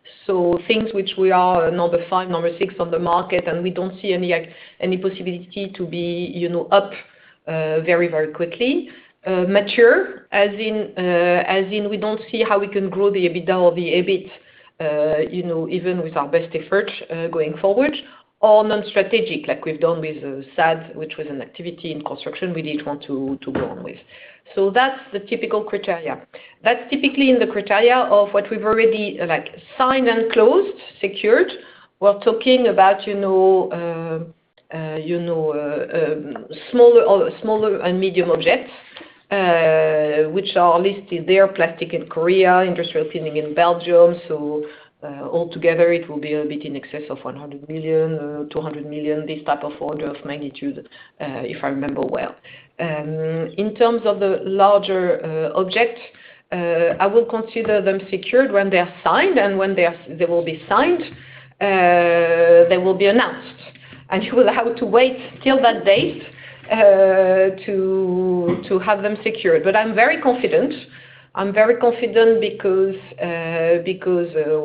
things which we are number five, number six on the market, and we don't see any possibility to be, you know, up very, very quickly. Mature as in, as in we don't see how we can grow the EBITDA or the EBIT, you know, even with our best effort, going forward, or non-strategic, like we've done with SADE-CGTH, which was an activity in construction we didn't want to go on with. That's the typical criteria. That's typically in the criteria of what we've already, like, signed and closed, secured. We're talking about, you know, you know, smaller and medium objects, which are listed there, plastic in Korea, industrial cleaning in Belgium. All together, it will be a bit in excess of 100 million, 200 million, this type of order of magnitude, if I remember well. In terms of the larger object, I will consider them secured when they're signed. When they will be signed, they will be announced. You will have to wait till that date to have them secured. I'm very confident. I'm very confident because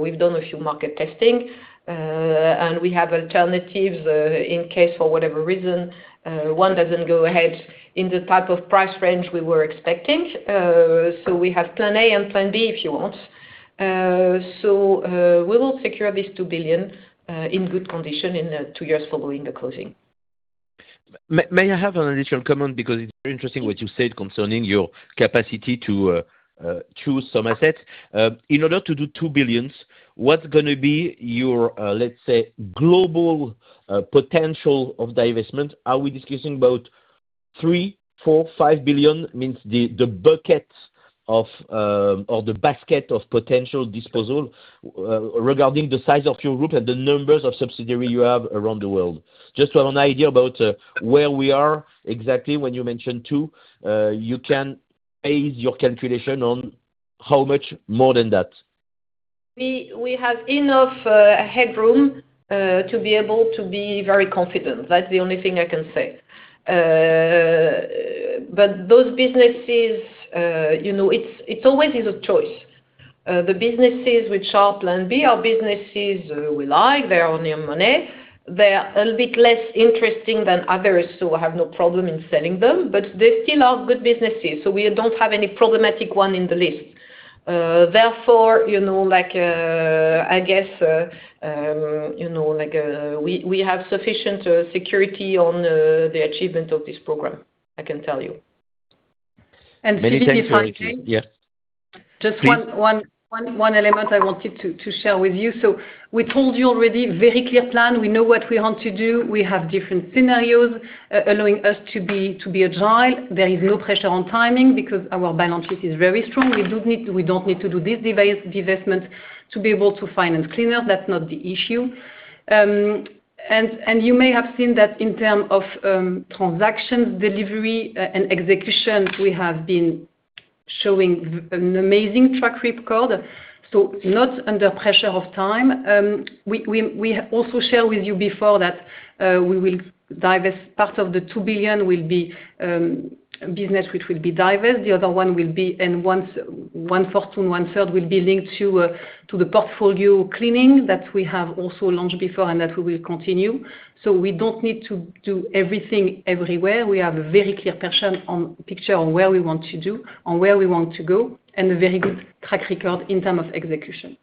we've done a few market testing, and we have alternatives in case for whatever reason, one doesn't go ahead in the type of price range we were expecting. We have plan A and plan B if you want. We will secure this 2 billion in good condition in two years following the closing. May I have an additional comment because it's very interesting what you said concerning your capacity to choose some assets. In order to do 2 billion, what's gonna be your, let's say, global potential of divestment? Are we discussing about 3 billion, 4 billion, 5 billion, means the bucket of, or the basket of potential disposal, regarding the size of your group and the numbers of subsidiary you have around the world? Just to have an idea about where we are exactly when you mention two, you can base your calculation on how much more than that. We have enough headroom to be able to be very confident. That's the only thing I can say. Those businesses, you know, it's always a choice. The businesses which are plan B are businesses we like. They earn their money. They're a little bit less interesting than others, so I have no problem in selling them. They still are good businesses, so we don't have any problematic one in the list. Therefore, you know, like, I guess, you know, like, we have sufficient security on the achievement of this program, I can tell you. Many thanks. Very clear. Philippe, if I may. Yes. Please. Just one element I wanted to share with you. We told you already, very clear plan. We know what we want to do. We have different scenarios allowing us to be agile. There is no pressure on timing because our balance sheet is very strong. We don't need to do this divestment to be able to finance Clean Earth. That's not the issue. And you may have seen that in terms of transactions, delivery, and execution, we have been showing an amazing track record, so not under pressure of time. We also share with you before that, we will divest part of the 2 billion will be business which will be divested. The other one will be 1/4 to 1/3 will be linked to the portfolio cleaning that we have also launched before and that we will continue. We don't need to do everything everywhere. We have a very clear picture on where we want to do and where we want to go, and a very good track record in terms of execution.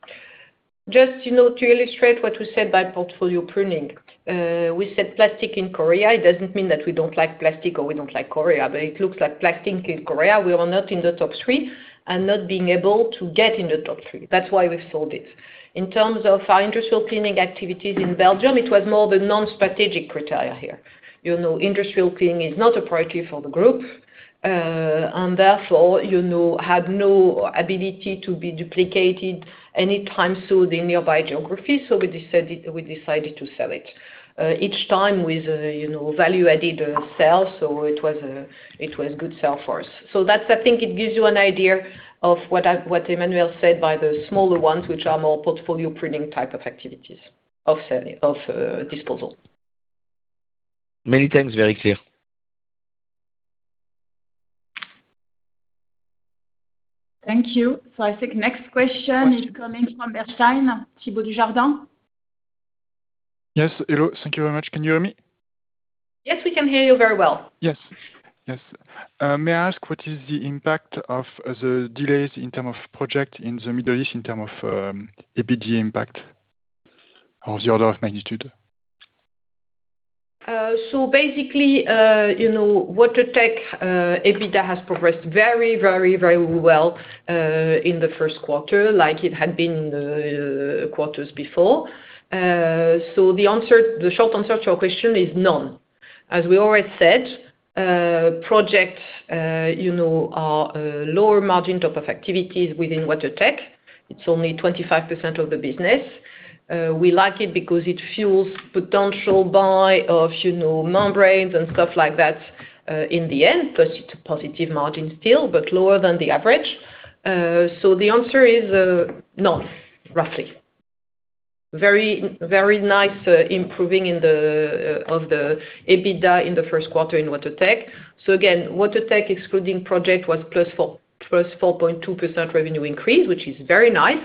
Just, you know, to illustrate what we said by portfolio pruning. We said plastic in Korea. It doesn't mean that we don't like plastic or we don't like Korea, but it looks like plastic in Korea, we are not in the top three and not being able to get in the top three. That's why we've sold it. In terms of our industrial cleaning activities in Belgium, it was more the non-strategic criteria here. You know, industrial cleaning is not a priority for the group. Therefore, you know, had no ability to be duplicated any time soon in nearby geography, so we decided to sell it, each time with, you know, value-added sell. It was a good sell for us. That's I think it gives you an idea of what I've what Emmanuelle said by the smaller ones, which are more portfolio pruning type of activities, of selling, of disposal. Many thanks. Very clear. Thank you. I think next question is coming from Bernstein, Thibault Dujardin. Yes. Hello. Thank you very much. Can you hear me? Yes, we can hear you very well. Yes. Yes. May I ask what is the impact of the delays in term of project in the Middle East in term of, EBITDA impact or the order of magnitude? Basically, you know, Water Tech EBITDA has progressed very well in the first quarter like it had been in the quarters before. The answer, the short answer to your question is none. As we always said, projects, you know, are a lower margin type of activities within Water Tech. It's only 25% of the business. We like it because it fuels potential buy of, you know, membranes and stuff like that in the end. It's a positive margin still, but lower than the average. The answer is, no, roughly. Very nice improving of the EBITDA in the first quarter in Water Tech. Again, Water Tech excluding project was +4.2% revenue increase, which is very nice.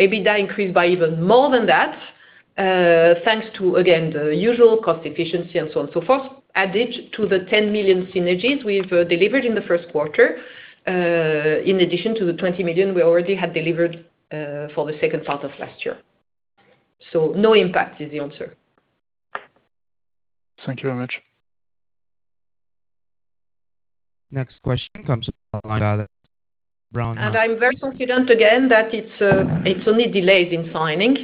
EBITDA increased by even more than that, thanks to again, the usual cost efficiency and so on and so forth, added to the 10 million synergies we've delivered in the first quarter, in addition to the 20 million we already had delivered for the second half of last year. No impact is the answer. Thank you very much. Next question comes from Alex I'm very confident again that it's only delays in signing,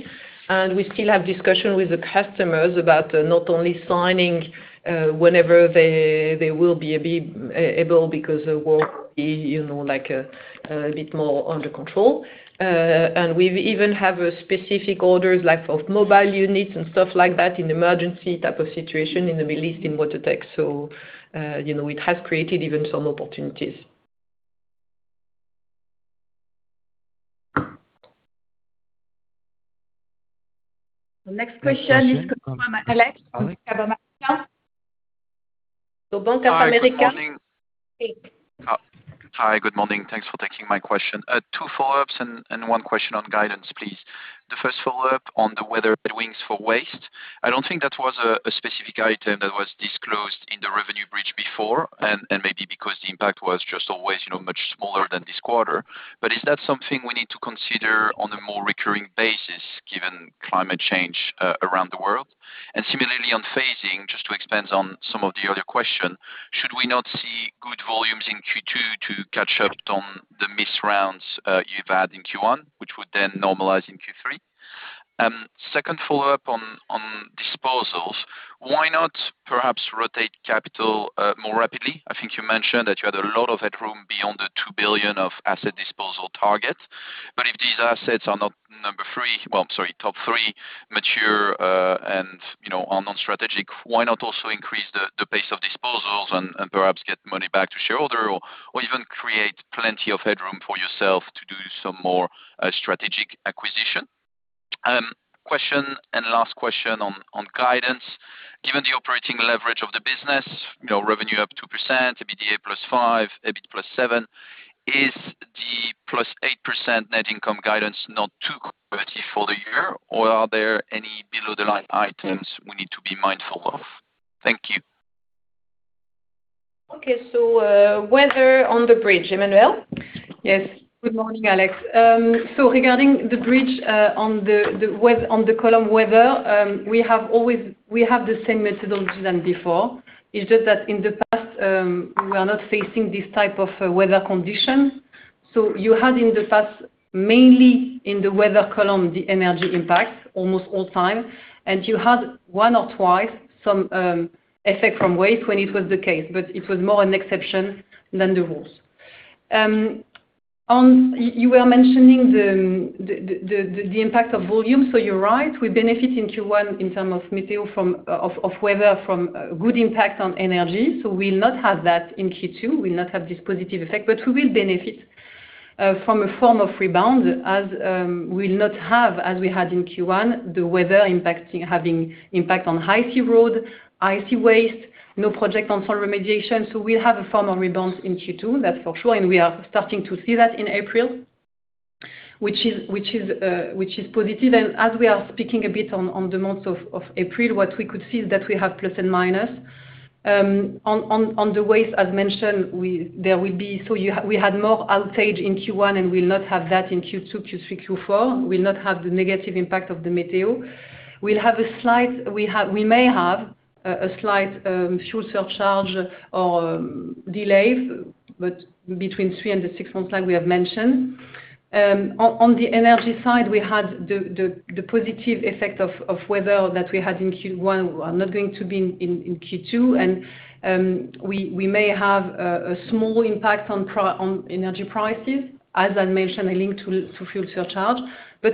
and we still have discussion with the customers about not only signing, whenever they will be a bit able because the work is, you know, like, a bit more under control. We even have specific orders like of mobile units and stuff like that in emergency type of situation in the Middle East in Water Tech. You know, it has created even some opportunities. Next question comes from Alex. Next question is from Alex from Bank of America. Hi. Good morning. Please. Hi. Good morning. Thanks for taking my question. Two follow-ups and one question on guidance, please. The first follow-up on the weather headwinds for waste. I don't think that was a specific item that was disclosed in the revenue bridge before, and maybe because the impact was just always, you know, much smaller than this quarter. Is that something we need to consider on a more recurring basis given climate change around the world? Similarly, on phasing, just to expand on some of the other question, should we not see good volumes in Q2 to catch up on the missed rounds you've had in Q1, which would then normalize in Q3? Second follow-up on disposals. Why not perhaps rotate capital more rapidly? I think you mentioned that you had a lot of headroom beyond the 2 billion of asset disposal target. If these assets are not number three Well, I'm sorry, top three mature, and you know, are non-strategic, why not also increase the pace of disposals and perhaps get money back to shareholder or even create plenty of headroom for yourself to do some more strategic acquisition? Question and last question on guidance. Given the operating leverage of the business, you know, revenue up 2%, EBITDA +5%, EBIT +7%, is the +8% net income guidance not too competitive for the year, or are there any below-the-line items we need to be mindful of? Thank you. Okay. weather on the bridge. Emmanuelle? Yes. Good morning, Alex. Regarding the bridge, on the column weather, We have the same methodology than before. It's just that in the past, we are not facing this type of weather condition. You had in the past, mainly in the weather column, the energy impact almost all time, and you had one or twice some effect from waste when it was the case, but it was more an exception than the rules. You were mentioning the impact of volume. You're right, we benefit in Q1 in term of weather from good impact on energy. We'll not have that in Q2. We'll not have this positive effect, but we will benefit from a form of rebound as we'll not have, as we had in Q1, the weather impacting, having impact on I&C routes, I&C waste, no project on soil remediation. We'll have a form of rebound in Q2, that's for sure, and we are starting to see that in April, which is positive. As we are speaking a bit on the month of April, what we could see is that we have plus and minus. On the waste as mentioned, we had more outage in Q1, and we'll not have that in Q2, Q3, Q4. We'll not have the negative impact of the meteo. We may have a slight fuel surcharge or delay, but between three and six months like we have mentioned. On the energy side, we had the positive effect of weather that we had in Q1 are not going to be in Q2, we may have a small impact on energy prices, as I mentioned, a link to fuel surcharge.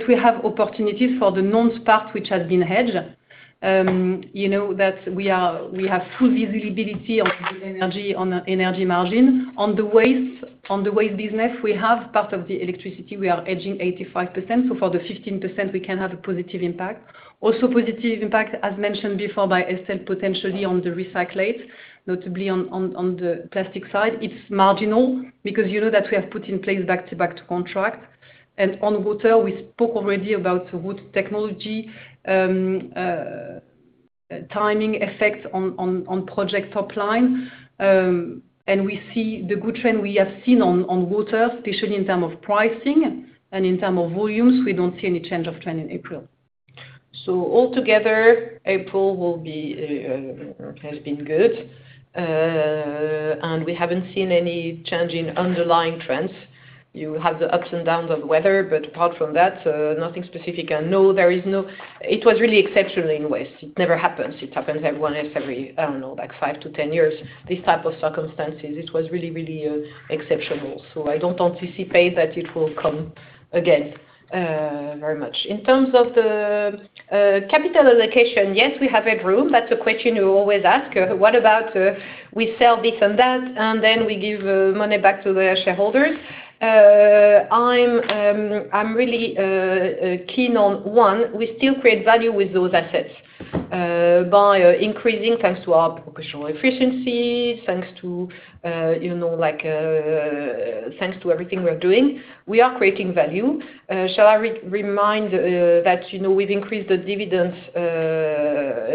We have opportunities for the non-sparked which has been hedged. You know that we have full visibility on the energy margin. On the waste business, we have part of the electricity, we are hedging 85%, so for the 15% we can have a positive impact. Positive impact, as mentioned before by Estelle, potentially on the recyclate, notably on the plastic side. It's marginal because you know that we have put in place back-to-back contract. On water, we spoke already about the water technology timing effect on project top line. We see the good trend we have seen on water, especially in terms of pricing and in terms of volumes. We don't see any change of trend in April. Altogether, April has been good. We haven't seen any change in underlying trends. You have the ups and downs of weather, apart from that, nothing specific. No, it was really exceptional in waste. It never happens. It happens every once every, I don't know, like five to 10 years, this type of circumstances. It was really, really exceptional. I don't anticipate that it will come again, very much. In terms of the capital allocation, yes, we have headroom. That's a question you always ask. What about, we sell this and that, and then we give money back to the shareholders. I'm really keen on one, we still create value with those assets by increasing thanks to our operational efficiency, thanks to you know, like, thanks to everything we're doing, we are creating value. Shall I remind that, you know, we've increased the dividends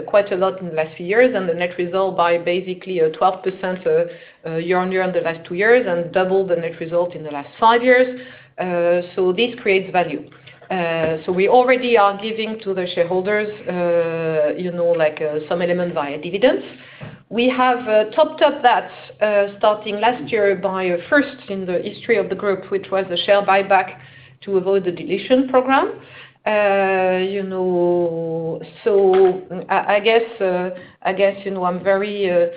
quite a lot in the last few years, and the net result by basically 12% year-on-year in the last two years and double the net result in the last five years. This creates value. We already are giving to the shareholders, you know, like, some element via dividends. We have topped up that starting last year by a first in the history of the group, which was a share buyback to avoid the dilution program. You know, so I guess, I guess, you know, I'm very,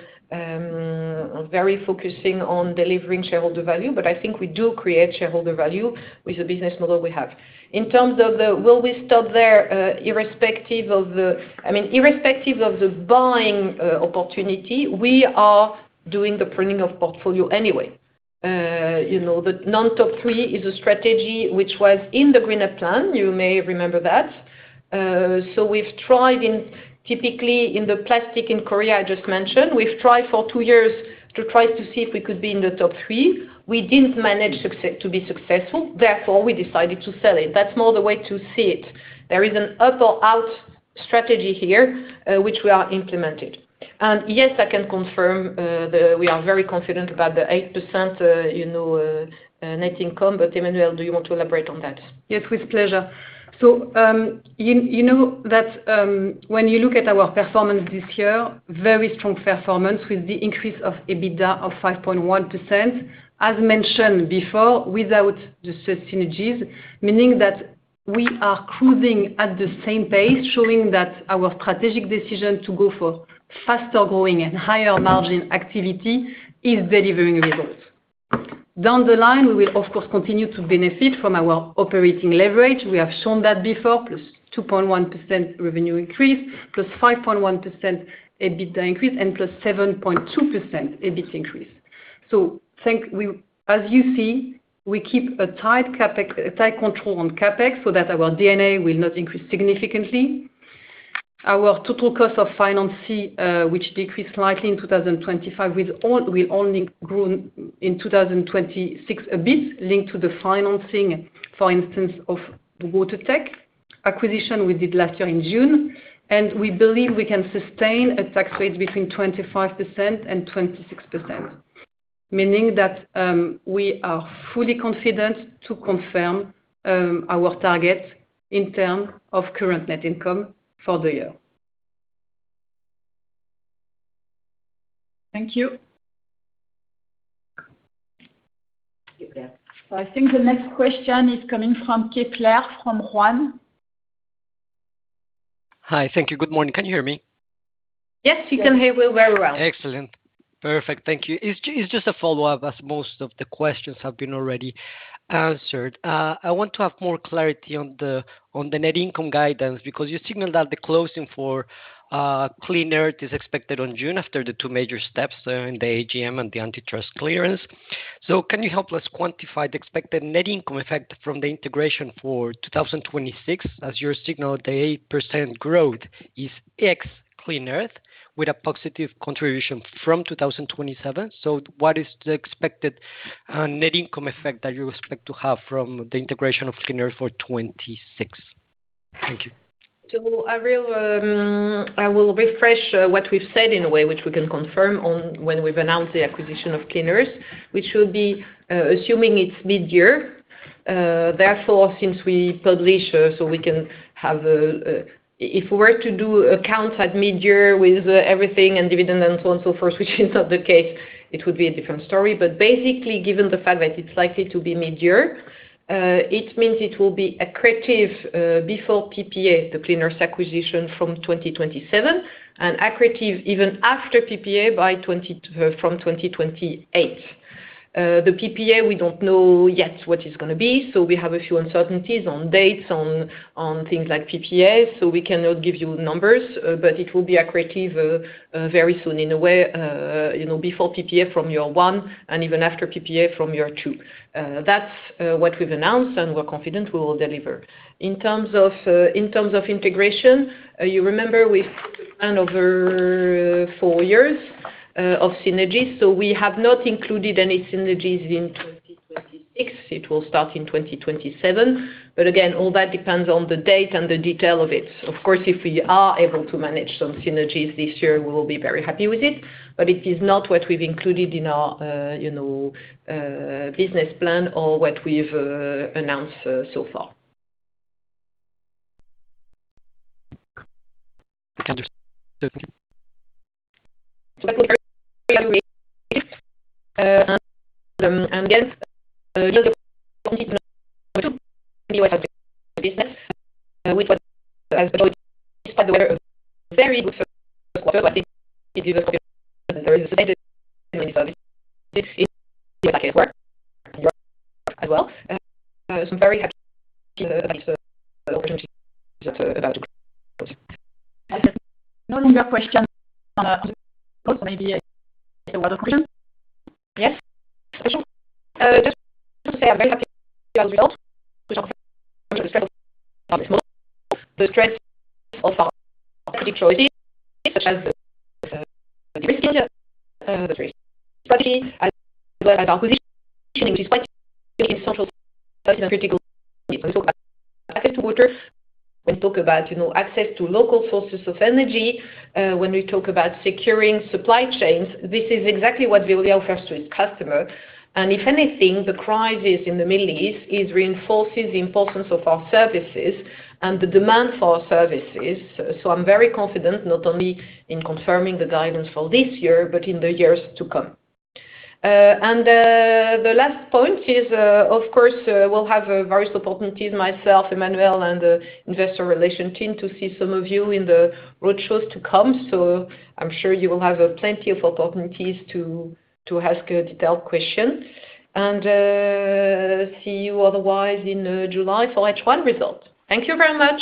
very focusing on delivering shareholder value, but I think we do create shareholder value with the business model we have. In terms of the will we stop there, irrespective of the I mean, irrespective of the buying, opportunity, we are doing the pruning of portfolio anyway. you know, the non-top three is a strategy which was in the GreenUp plan. You may remember that. We've tried in, typically in the plastic in Korea, I just mentioned, we've tried for two years to try to see if we could be in the top three. We didn't manage to be successful, therefore, we decided to sell it. That's more the way to see it. There is an up or out strategy here, which we are implementing. Yes, I can confirm, we are very confident about the 8%, you know, net income. Emmanuelle, do you want to elaborate on that? Yes, with pleasure. you know that when you look at our performance this year, very strong performance with the increase of EBITDA of 5.1%, as mentioned before, without the synergies, meaning that we are cruising at the same pace, showing that our strategic decision to go for faster growing and higher margin activity is delivering results. Down the line, we will of course, continue to benefit from our operating leverage. We have shown that before, +2.1% revenue increase, plus 5.1% EBITDA increase, and +7.2% EBIT increase. as you see, we keep a tight control on CapEx so that our D&A will not increase significantly. Our total cost of financing, which decreased slightly in 2025, will only grow in 2026 a bit, linked to the financing, for instance, of the water technology acquisition we did last year in June. We believe we can sustain a tax rate between 25% and 26%, meaning that we are fully confident to confirm our target in term of current net income for the year. Thank you. I think the next question is coming from Kepler, from Juan. Hi. Thank you. Good morning. Can you hear me? Yes, we can hear you very well. Excellent. Perfect. Thank you. It's just a follow-up, as most of the questions have been already answered. I want to have more clarity on the, on the net income guidance because you signaled that the closing for Clean Earth is expected on June after the two major steps in the AGM and the antitrust clearance. Can you help us quantify the expected net income effect from the integration for 2026, as you signaled the 8% growth is ex Clean Earth with a positive contribution from 2027. What is the expected net income effect that you expect to have from the integration of Clean Earth for 2026? Thank you. I will refresh what we've said in a way which we can confirm on when we've announced the acquisition of Clean Earth, which will be assuming it's mid-year. Therefore, since we publish, so we can have If we were to do accounts at midyear with everything and dividend and so on and so forth, which is not the case, it would be a different story. Basically, given the fact that it's likely to be mid-year, it means it will be accretive before PPA, the Clean Earth acquisition from 2027, and accretive even after PPA from 2028. The PPA, we don't know yet what it's gonna be. We have a few uncertainties on dates, on things like PPA. We cannot give you numbers, but it will be accretive very soon in a way, you know, before PPA from year one and even after PPA from year two. That's what we've announced, and we're confident we will deliver. In terms of integration, you remember we planned over four years of synergies. We have not included any synergies in 2026. It will start in 2027. Again, all that depends on the date and the detail of it. Of course, if we are able to manage some synergies this year, we will be very happy with it. It is not what we've included in our, you know, business plan or what we've announced so far. Again, when we talk about, you know, access to local sources of energy, when we talk about securing supply chains, this is exactly what Veolia offers to its customer. If anything, the crisis in the Middle East is reinforces the importance of our services and the demand for our services. I'm very confident not only in confirming the guidance for this year, but in the years to come. The last point is, of course, we'll have various opportunities, myself, Emmanuelle, and the investor relation team to see some of you in the roadshows to come. I'm sure you will have plenty of opportunities to ask detailed questions. See you otherwise in July for H1 results. Thank you very much.